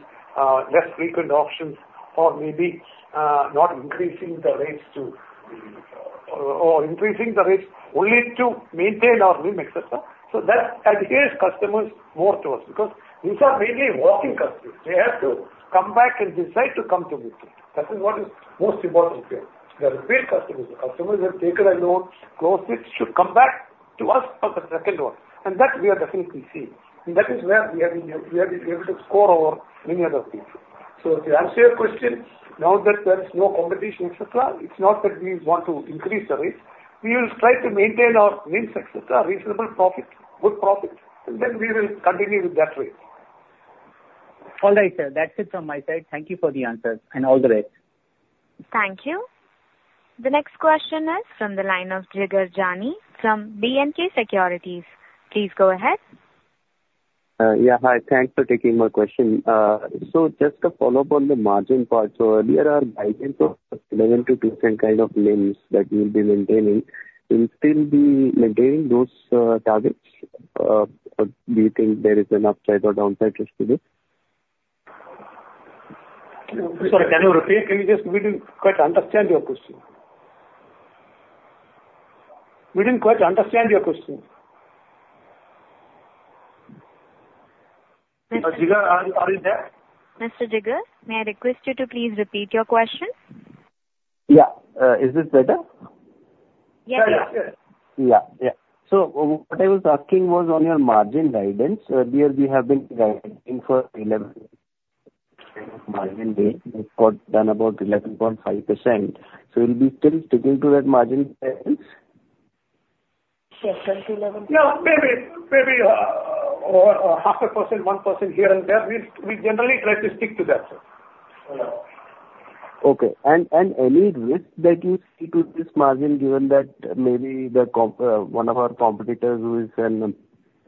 less frequent auctions, or maybe, not increasing the rates to the, or increasing the rates only to maintain our limits, et cetera. So that adheres customers more to us, because these are mainly walking customers. They have to come back and decide to come to Muthoot. That is what is most important here. They are repeat customers. The customers have taken a loan, closed it, should come back to us for the second one, and that we are definitely seeing. And that is where we have been; we have been able to score over many other people. So to answer your question, now that there is no competition, et cetera, it's not that we want to increase the rates. We will try to maintain our limits, et cetera, reasonable profit, good profit, and then we will continue with that rate. All right, sir. That's it from my side. Thank you for the answers and all the best. Thank you. The next question is from the line of Jigar Jani from BNK Securities. Please go ahead. Yeah, hi. Thanks for taking my question. So just a follow-up on the margin part. So earlier, our guidance was 11%-12% kind of loans that you'll be maintaining. Will you still be maintaining those targets? Or do you think there is an upside or downside risk to this? Sorry, can you repeat? Can you just... We didn't quite understand your question. We didn't quite understand your question. Mr. Jigar, are you there? Mr. Jigar, may I request you to please repeat your question? Yeah. Is this better? Yeah. Yeah. Yeah. Yeah, yeah. So what I was asking was on your margin guidance. Earlier you have been guiding for 11 kind of margin, but it got down about 11.5%. So will you be still sticking to that margin guidance? Yes, 10-11. No, maybe, maybe, or 0.5%, 1% here and there. We, we generally try to stick to that, sir. Yeah. Okay. Any risk that you see to this margin, given that maybe the comp, one of our competitors who is in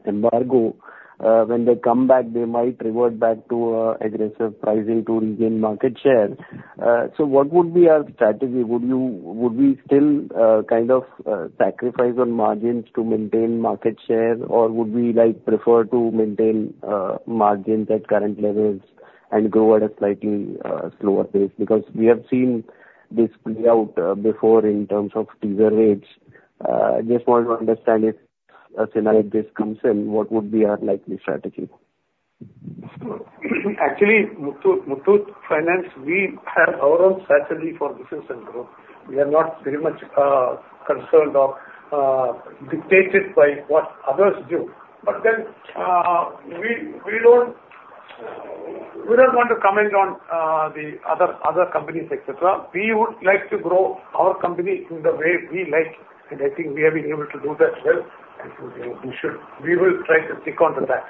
embargo, when they come back, they might revert back to aggressive pricing to regain market share. So what would be our strategy? Would we still kind of sacrifice on margins to maintain market share? Or would we like prefer to maintain margins at current levels and grow at a slightly slower pace? Because we have seen this play out before in terms of teaser rates. I just want to understand if a scenario like this comes in, what would be our likely strategy? Actually, Muthoot Finance, we have our own strategy for business and growth. We are not very much concerned or dictated by what others do. But then, we don't want to comment on the other companies, et cetera. We would like to grow our company in the way we like, and I think we have been able to do that well, and we should; we will try to stick on to that.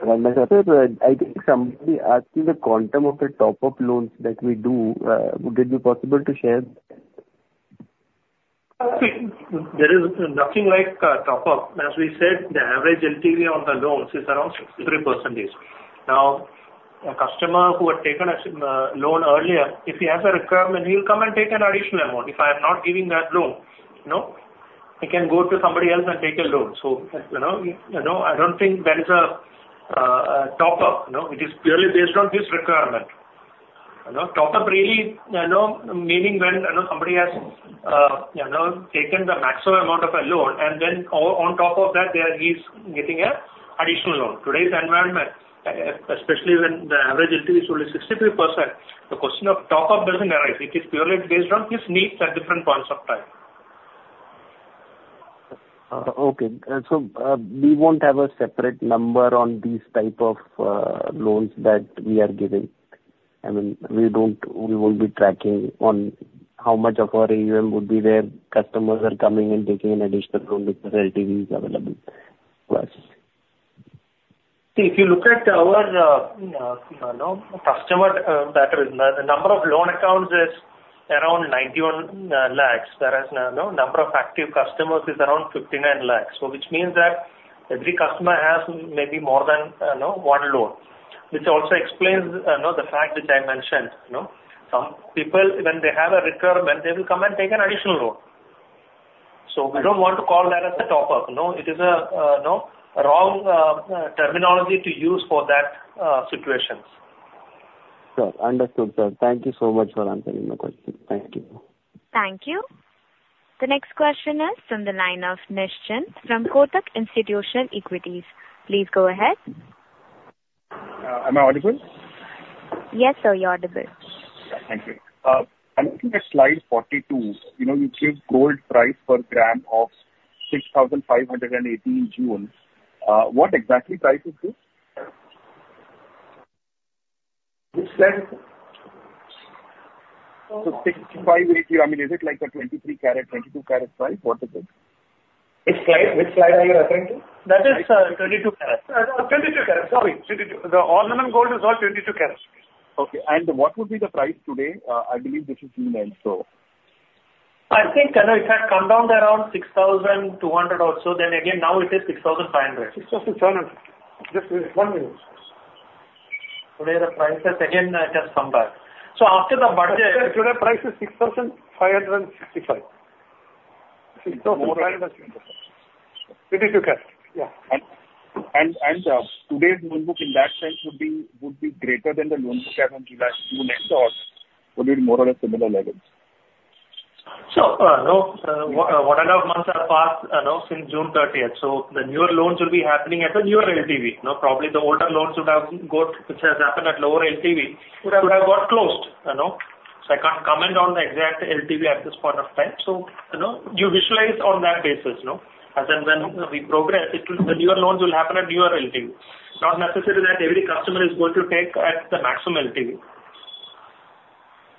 Right. I think somebody asked you the quantum of the top of loans that we do. Would it be possible to share? See, there is nothing like a top up. As we said, the average LTV on the loans is around 63%. Now, a customer who had taken a loan earlier, if he has a requirement, he will come and take an additional amount. If I am not giving that loan, you know, he can go to somebody else and take a loan. So, you know, you know, I don't think there is a top up, you know. It is purely based on his requirement. You know, top up really, you know, meaning when, you know, somebody has taken the maximum amount of a loan, and then on, on top of that, there he's getting an additional loan. Today's environment, especially when the average LTV is only 63%. The question of top up doesn't arise. It is purely based on his needs at different points of time. Okay. So, we won't have a separate number on these type of loans that we are giving? I mean, we don't. We won't be tracking on how much of our AUM would be where customers are coming and taking an additional loan because LTV is available for us. If you look at our, you know, customer, pattern, the number of loan accounts is around 91 lakhs, whereas, you know, number of active customers is around 59 lakhs. So which means that every customer has maybe more than, you know, one loan. Which also explains, you know, the fact which I mentioned, you know. Some people, when they have a requirement, they will come and take an additional loan. So we don't want to call that as a top-up, you know? It is a, you know, wrong, terminology to use for that, situations. Sure. Understood, sir. Thank you so much for answering my question. Thank you. Thank you. The next question is from the line of Nischint from Kotak Institutional Equities. Please go ahead. Am I audible? Yes, sir, you're audible. Thank you. I'm looking at slide 42. You know, you achieved gold price per gram of 6,580 in June. What exactly price is this? Which slide? So 6,580, I mean, is it like a 23-karat, 22-karat price? What is it? Which slide? Which slide are you referring to? That is, 22 karat. 22 karat, sorry. 22. The ornament gold is all 22 karats. Okay. And what would be the price today? I believe this is June end, so. I think, you know, it had come down to around 6,200 or so, then again, now it is 6,500. 6,500. Just one minute. Today the price has again just come back. So after the budget- Today's price is 6,565. 6,565. 22 karat. Yeah. Today's loan book in that sense would be greater than the loan book you had in last June end or would it be more or less similar levels? So, no, what about months are passed, you know, since June thirtieth, so the newer loans will be happening at the newer LTV. You know, probably the older loans would have got, which has happened at lower LTV, would have got closed, you know? So I can't comment on the exact LTV at this point of time. So, you know, you visualize on that basis, you know? As and when we progress, it will... the newer loans will happen at newer LTV. Not necessarily that every customer is going to take at the maximum LTV.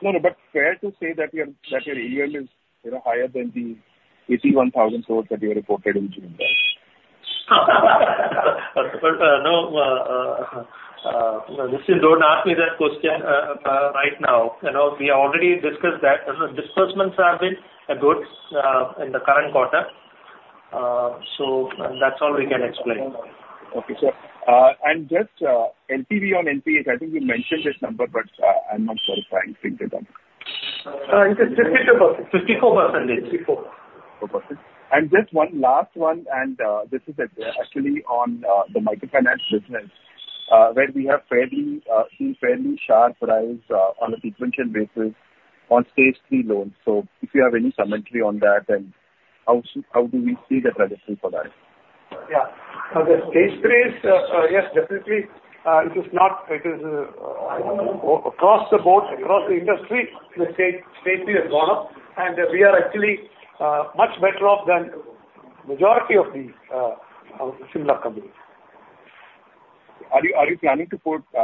No, no, but fair to say that your, that your AUM is, you know, higher than the 81,000 loans that you reported in June? But no, listen, don't ask me that question right now. You know, we already discussed that. Disbursements have been good in the current quarter. So that's all we can explain. Okay. So, just LTV on NPA, I think you mentioned this number, but I'm not sure if I think it up. It is 54%. Fifty-four percent. Fifty-four. 4%. And just one last one, and, this is actually on the microfinance business, where we have fairly seen fairly sharp rise on a sequential basis on Stage Three loans. So if you have any commentary on that, and how do we see the trajectory for that? Yeah. The Stage Three is, yes, definitely, it is not, it is, across the board, across the industry, the Stage, Stage Three has gone up, and we are actually, much better off than majority of the, similar companies. Are you planning to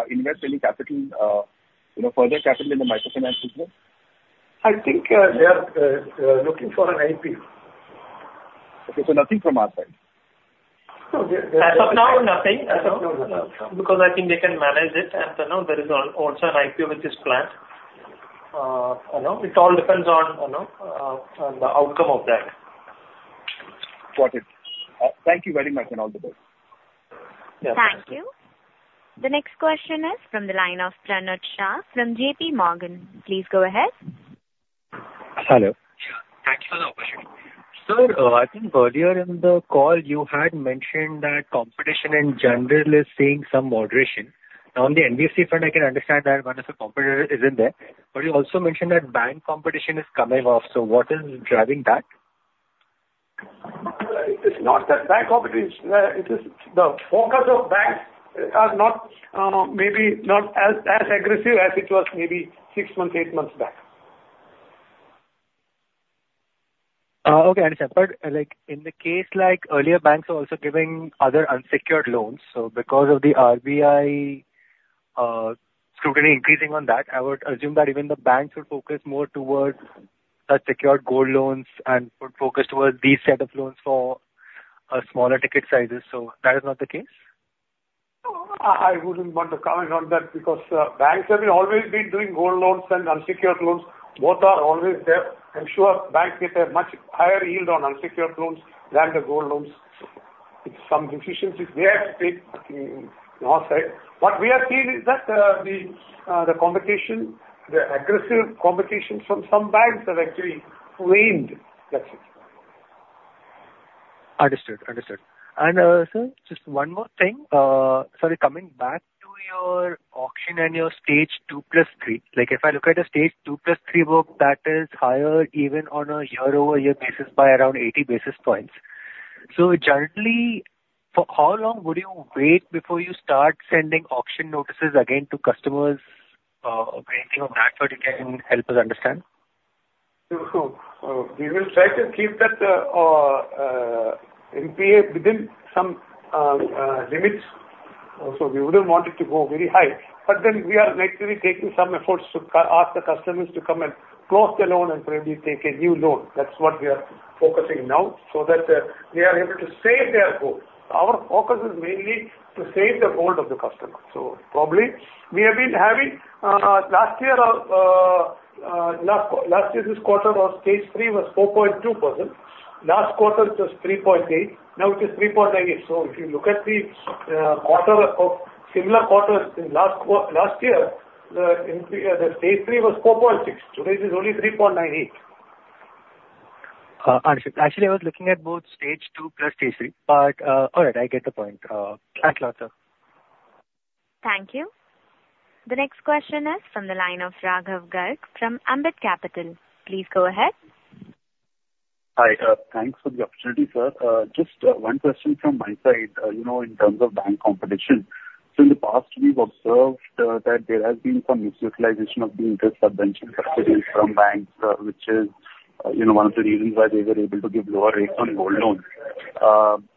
invest any capital, you know, further capital in the microfinance business? I think, they are looking for an IPO. Okay, so nothing from our side? As of now, nothing. As of now, because I think they can manage it, and, you know, there is also an IPO which is planned. You know, it all depends on, you know, on the outcome of that. Got it. Thank you very much, and all the best. Thank you. The next question is from the line of Pranav Shah from J.P. Morgan. Please go ahead. Hello. Sure. Thank you for the opportunity. Sir, I think earlier in the call you had mentioned that competition in general is seeing some moderation. Now, on the NBFC front, I can understand that one of the competitor is in there, but you also mentioned that bank competition is coming off. So what is driving that? It's not that bank competition. It is the focus of banks are not, maybe not as, as aggressive as it was maybe six months, eight months back. Okay, I understand. But, like, in the case like earlier, banks were also giving other unsecured loans. So because of the RBI scrutiny increasing on that, I would assume that even the banks would focus more towards the secured gold loans and would focus towards these set of loans for smaller ticket sizes. So that is not the case? I wouldn't want to comment on that because banks have always been doing gold loans and unsecured loans. Both are always there. I'm sure banks get a much higher yield on unsecured loans than the gold loans. If some deficiency, they have to take on our side. What we are seeing is that the competition, the aggressive competition from some banks have actually waned. That's it. Understood. Understood. And, sir, just one more thing. Sorry, coming back to your auction and your Stage Two plus Three. Like, if I look at a Stage Two plus Three book, that is higher even on a year-over-year basis by around 80 basis points.... Generally, for how long would you wait before you start sending auction notices again to customers, or anything of that sort you can help us understand? So, we will try to keep that NPA within some limits. Also, we wouldn't want it to go very high. But then we are actually taking some efforts to ask the customers to come and close the loan and maybe take a new loan. That's what we are focusing now, so that they are able to save their gold. Our focus is mainly to save the gold of the customer. So probably we have been having last year's quarter on Stage Three was 4.2%. Last quarter, it was 3.8. Now it is 3.98. So if you look at the quarter of similar quarters in last year, the NPA, the Stage Three was 4.6. Today, it is only 3.98. Actually, I was looking at both stage two plus stage three, but, all right, I get the point. Thanks a lot, sir. Thank you. The next question is from the line of Raghav Garg from Ambit Capital. Please go ahead. Hi. Thanks for the opportunity, sir. Just one question from my side, you know, in terms of bank competition. So in the past, we've observed that there has been some misutilization of the interest subsidy subsidies from banks, which is, you know, one of the reasons why they were able to give lower rates on gold loans.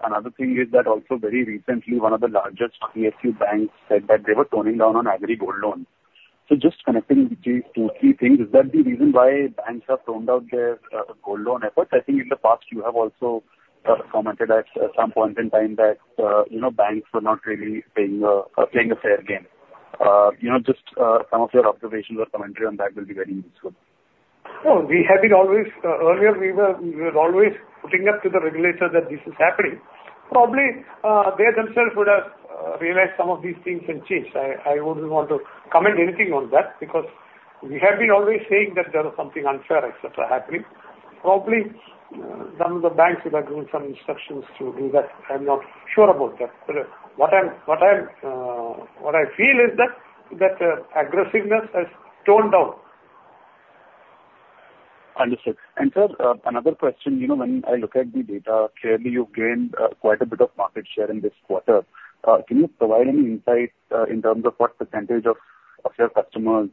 Another thing is that also very recently, one of the largest PSU banks said that they were toning down on agri gold loans. So just connecting these two, three things, is that the reason why banks have toned down their gold loan efforts? I think in the past, you have also commented at some point in time that, you know, banks were not really playing playing a fair game. You know, just some of your observations or commentary on that will be very useful. Oh, we have been always. Earlier, we were, we were always putting up to the regulator that this is happening. Probably, they themselves would have realized some of these things and changed. I wouldn't want to comment anything on that, because we have been always saying that there was something unfair, et cetera, happening. Probably, some of the banks have been given some instructions to do that. I'm not sure about that. But, what I'm, what I'm, what I feel is that, that, aggressiveness has toned down. Understood. And, sir, another question. You know, when I look at the data, clearly you've gained quite a bit of market share in this quarter. Can you provide any insight in terms of what percentage of your customers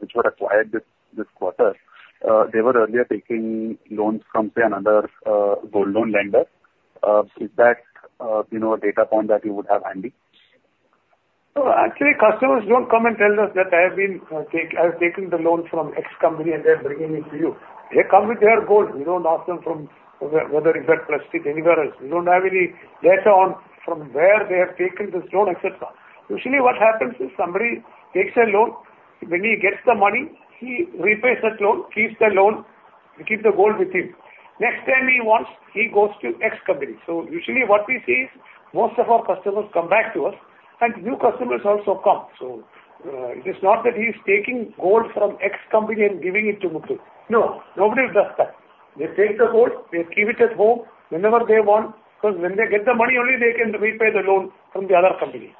which were acquired this quarter they were earlier taking loans from, say, another gold loan lender? Is that, you know, a data point that you would have handy? So actually, customers don't come and tell us that I have taken the loan from X company and they are bringing it to you. They come with their gold. We don't ask them from where, whether is that plastic, anywhere else. We don't have any data on from where they have taken this loan, et cetera. Usually, what happens is somebody takes a loan. When he gets the money, he repays that loan, keeps the loan, he keeps the gold with him. Next time he wants, he goes to X company. So usually, what we see is most of our customers come back to us, and new customers also come. So, it is not that he is taking gold from X company and giving it to Muthoot. No, nobody does that. They take the gold, they keep it at home. Whenever they want... Because when they get the money, only they can repay the loan from the other company.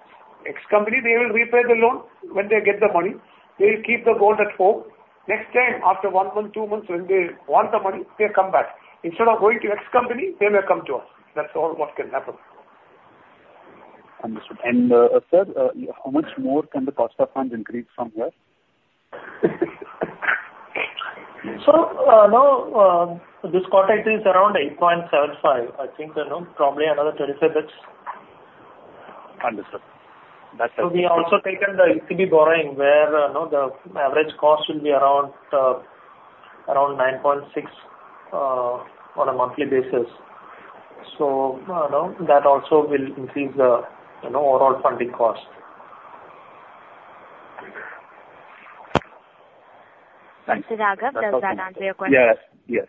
X company, they will repay the loan when they get the money. They will keep the gold at home. Next time, after one month, two months, when they want the money, they come back. Instead of going to X company, they may come to us. That's all what can happen. Understood. And, sir, how much more can the cost of funds increase from here? Now, this quarter, it is around 8.75. I think, you know, probably another 35 bits. Understood. That's- We have also taken the ECB borrowing, where, you know, the average cost will be around, around 9.6, on a monthly basis. So, now that also will increase the, you know, overall funding cost. Mr. Raghav, does that answer your question? Yes. Yes. Yes.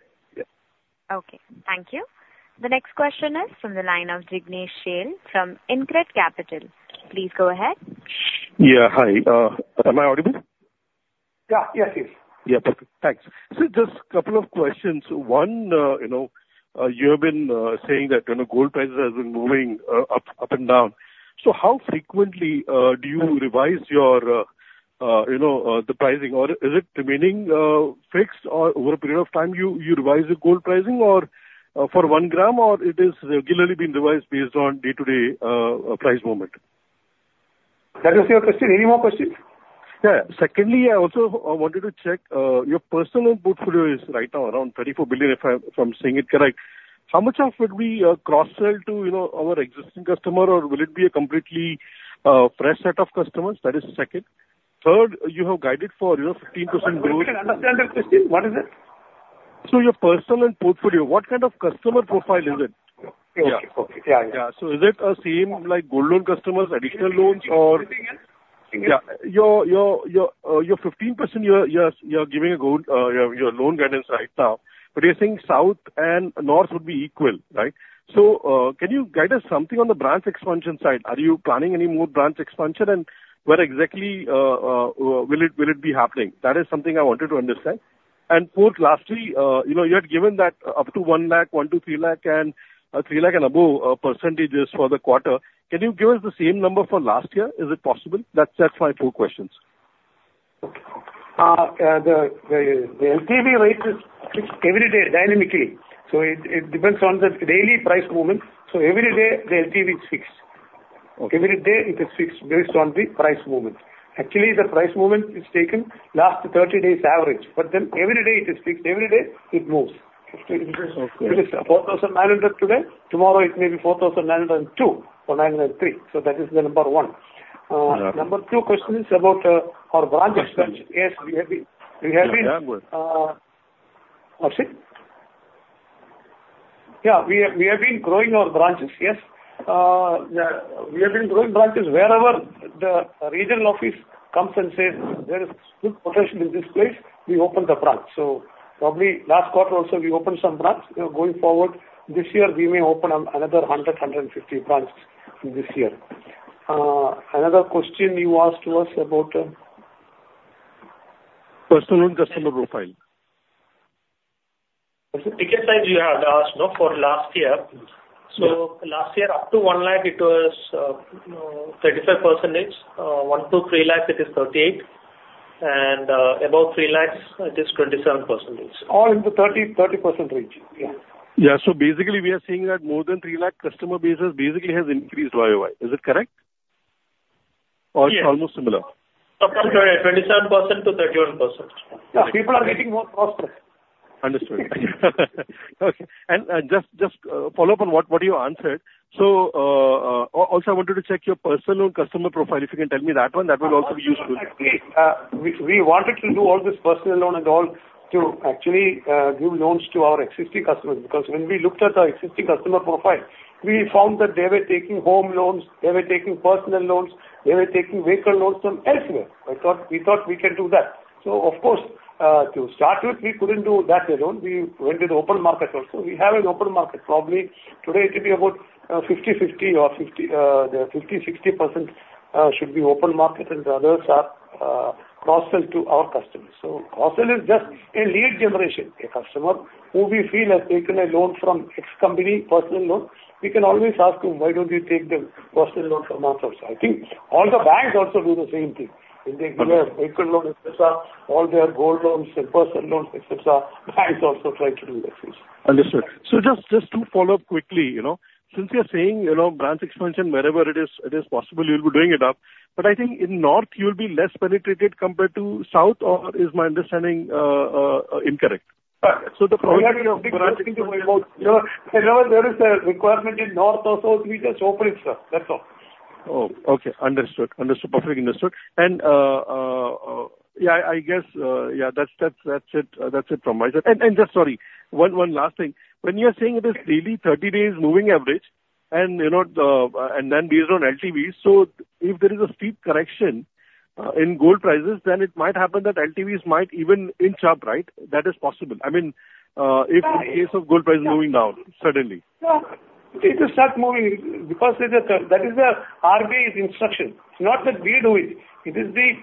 Okay, thank you. The next question is from the line of Jignesh Shial from InCred Capital. Please go ahead. Yeah, hi. Am I audible? Yeah, yes, yes. Yeah, perfect. Thanks. So just couple of questions. One, you know, you have been saying that, you know, gold prices have been moving up, up and down. So how frequently do you revise your, you know, the pricing? Or is it remaining fixed, or over a period of time, you revise the gold pricing, or for one gram, or it is regularly being revised based on day-to-day price movement? That is your question. Any more questions? Yeah. Secondly, I also wanted to check your personal portfolio is right now around 34 billion, if I, if I'm saying it correct. How much of it we cross-sell to, you know, our existing customer, or will it be a completely fresh set of customers? That is second. Third, you have guided for, you know, 15% growth- I didn't understand that question. What is it? So, your personal portfolio, what kind of customer profile is it? Okay, yeah. Yeah. So is it same like gold loan customers, additional loans or- Say it again. Yeah, your 15%, you're giving a gold loan guidance right now, but you're saying South and North would be equal, right? So, can you guide us something on the branch expansion side? Are you planning any more branch expansion, and where exactly will it be happening? That is something I wanted to understand. And fourth, lastly, you know, you had given that up to 1 lakh, 1-3 lakh and 3 lakh and above percentages for the quarter. Can you give us the same number for last year? Is it possible? That's my 4 questions. The LTV rate is fixed every day dynamically. So it depends on the daily price movement. So every day, the LTV is fixed. Okay. Every day it is fixed based on the price movement. Actually, the price movement is taken last 30 days average, but then every day it is fixed, every day it moves. Okay. It is 4,900 today, tomorrow it may be 4,902 or 903. So that is the number one. Okay. Number two question is about our branch expansion. Yes, we have been, we have been. Yeah. I'm sorry? Yeah, we have, we have been growing our branches, yes. Yeah, we have been growing branches. Wherever the regional office comes and says there is good potential in this place, we open the branch. So probably last quarter also, we opened some branches. You know, going forward, this year we may open another 100-150 branches this year. Another question you asked was about? Personal customer profile. Ticket size you had asked, no, for last year? Yes. So last year, up to 1 lakh, it was, you know, 35%. One to three lakhs it is 38%, and above three lakhs it is 27%. All in the 30-30% range. Yeah. Yeah. So basically, we are seeing that more than 300,000 customer bases basically has increased YOY. Is it correct? Yes. Or it's almost similar? From 27%-31%. Yeah, people are getting more prosperous. Understood. Okay, and just follow up on what you answered. So, also I wanted to check your personal customer profile. If you can tell me that one, that will also be useful. Actually, we wanted to do all this personal loan and all to actually give loans to our existing customers. Because when we looked at our existing customer profile, we found that they were taking home loans, they were taking personal loans, they were taking vehicle loans from elsewhere. I thought, we thought we can do that. So of course, to start with, we couldn't do that alone. We went to the open market also. We have an open market. Probably today it will be about 50/50 or 50-60%, should be open market and the others are cross-sell to our customers. So cross-sell is just a lead generation. A customer who we feel has taken a loan from X company, personal loan, we can always ask him, "Why don't you take the personal loan from us also?" I think all the banks also do the same thing. Yeah. When they give a vehicle loan, et cetera, all their gold loans and personal loans, et cetera, banks also try to do the same. Understood. So just, just to follow up quickly, you know, since you're saying, you know, branch expansion, wherever it is, it is possible you'll be doing it up, but I think in North you'll be less penetrated compared to South, or is my understanding incorrect? So the problem, you know, wherever there is a requirement in north also, we just open it, sir. That's all. Oh, okay. Understood. Understood. Perfectly understood. And, yeah, I guess, yeah, that's, that's, that's it, that's it from my side. And just sorry, one last thing. When you are saying it is daily 30-day moving average and, you know, the, and then based on LTVs, so if there is a steep correction in gold prices, then it might happen that LTVs might even inch up, right? That is possible. I mean, if- Right. in case of gold price moving down suddenly. No, it will start moving because there's a, that is the RBI's instruction. It's not that we do it. It is the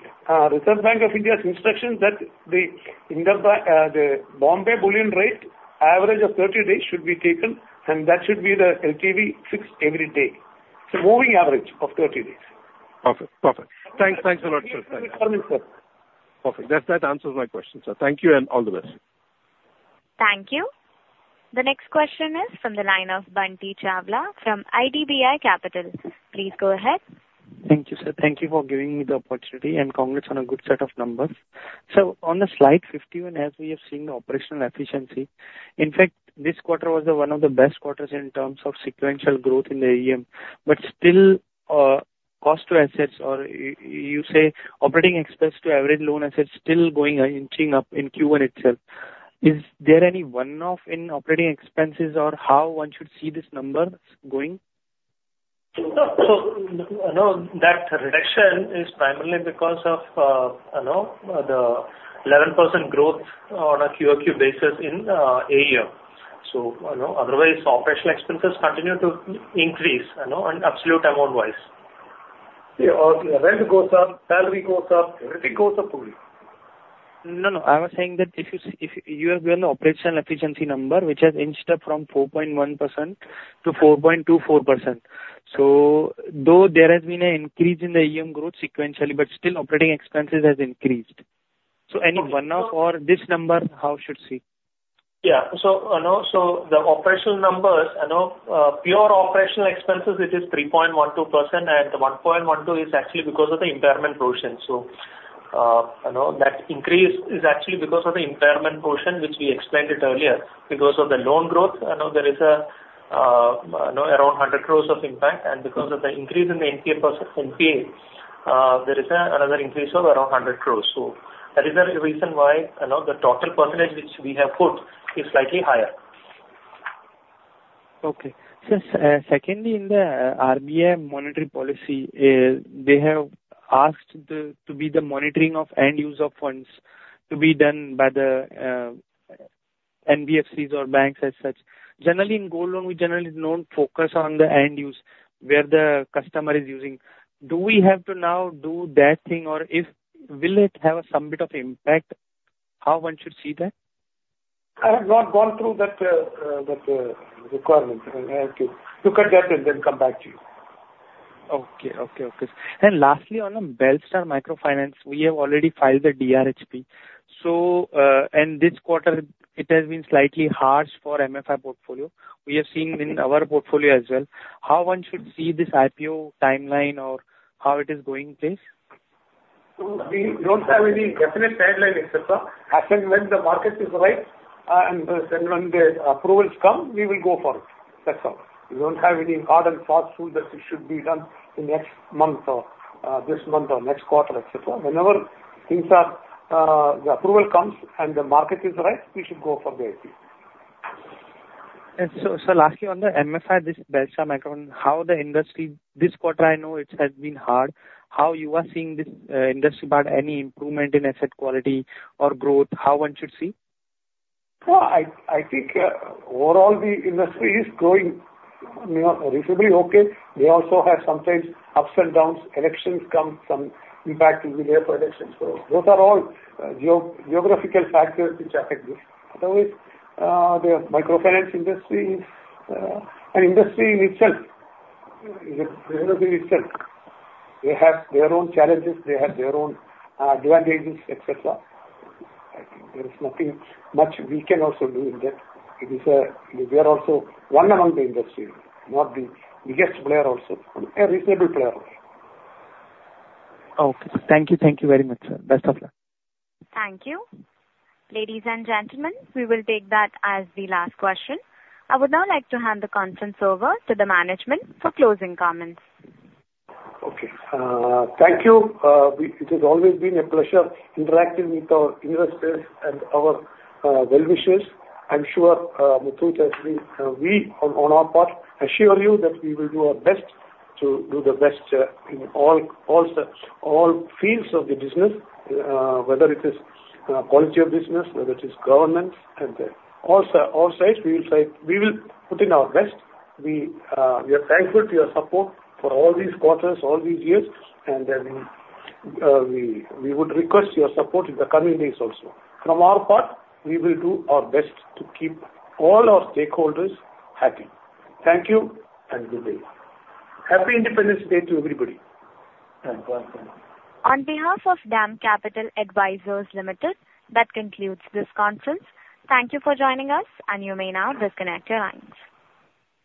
Reserve Bank of India's instruction that the Indian bullion rate, the Bombay bullion rate, average of 30 days should be taken, and that should be the LTV fixed every day. It's a moving average of 30 days. Perfect. Perfect. Thanks. Thanks a lot, sir. sir. Perfect. That, that answers my question, sir. Thank you and all the best. Thank you. The next question is from the line of Bunty Chawla from IDBI Capital. Please go ahead. Thank you, sir. Thank you for giving me the opportunity, and congrats on a good set of numbers. So on the slide 51, as we have seen the operational efficiency, in fact, this quarter was the one of the best quarters in terms of sequential growth in the AUM. But still, cost to assets or you say operating expense to average loan assets still going and inching up in Q1 itself. Is there any one-off in operating expenses, or how one should see this number going? No, so, you know, that reduction is primarily because of, you know, the 11% growth on a QOQ basis in AUM. So, you know, otherwise, operational expenses continue to increase, you know, and absolute amount-wise. Yeah, okay. Rent goes up, salary goes up, everything goes up only. No, no. I was saying that if you have an operational efficiency number, which has inched up from 4.1% to 4.24%. So though there has been an increase in the AUM growth sequentially, but still operating expenses has increased. So any one-off or this number, how should see? Yeah. So, you know, so the operational numbers, you know, pure operational expenses, it is 3.12%, and the 1.12 is actually because of the impairment portion. So, you know, that increase is actually because of the impairment portion, which we explained it earlier. Because of the loan growth, you know, there is a, you know, around 100 crore of impact, and because of the increase in the NPA %, NPA, there is another increase of around 100 crore. So that is the reason why, you know, the total percentage which we have put is slightly higher. Okay. So, secondly, in the RBI monetary policy, they have asked the, to be the monitoring of end user funds to be done by the, NBFCs or banks as such. Generally, in gold loan, we generally don't focus on the end use, where the customer is using. Do we have to now do that thing, or if... Will it have a little bit of impact? How one should see that? I have not gone through that requirement. I have to look at that and then come back to you. ... Okay, okay, okay. And lastly, on the Belstar Microfinance, we have already filed the DRHP. So, and this quarter, it has been slightly harsh for MFI portfolio. We have seen in our portfolio as well. How one should see this IPO timeline or how it is going place? So we don't have any definite timeline, et cetera. I think when the market is right and then when the approvals come, we will go for it. That's all. We don't have any hard and fast rule that it should be done in next month or, this month or next quarter, et cetera. Whenever things are, the approval comes and the market is right, we should go for the IPO. So lastly, on the MFI, this Belstar Micro, how the industry, this quarter I know it has been hard, how you are seeing this industry, but any improvement in asset quality or growth, how one should see? Well, I, I think, overall the industry is growing, you know, reasonably okay. They also have sometimes ups and downs. Elections come, some impact will be there for elections. So those are all geo-geographical factors which affect this. Otherwise, the microfinance industry is, an industry in itself, is a in itself. They have their own challenges, they have their own, advantages, et cetera. I think there is nothing much we can also do in that. It is a, we are also one among the industry, not the biggest player also, a reasonable player also. Okay. Thank you. Thank you very much, sir. Best of luck. Thank you. Ladies and gentlemen, we will take that as the last question. I would now like to hand the conference over to the management for closing comments. Okay. Thank you. We, it has always been a pleasure interacting with our investors and our, well-wishers. I'm sure, Muthoot has been, we on, on our part, assure you that we will do our best to do the best, in all, all the, all fields of the business, whether it is, quality of business, whether it is government and all, all sides, we will try, we will put in our best. We, we are thankful to your support for all these quarters, all these years, and, we, we would request your support in the coming days also. From our part, we will do our best to keep all our stakeholders happy. Thank you and good day. Happy Independence Day to everybody! On behalf of DAM Capital Advisors Limited, that concludes this conference. Thank you for joining us, and you may now disconnect your lines.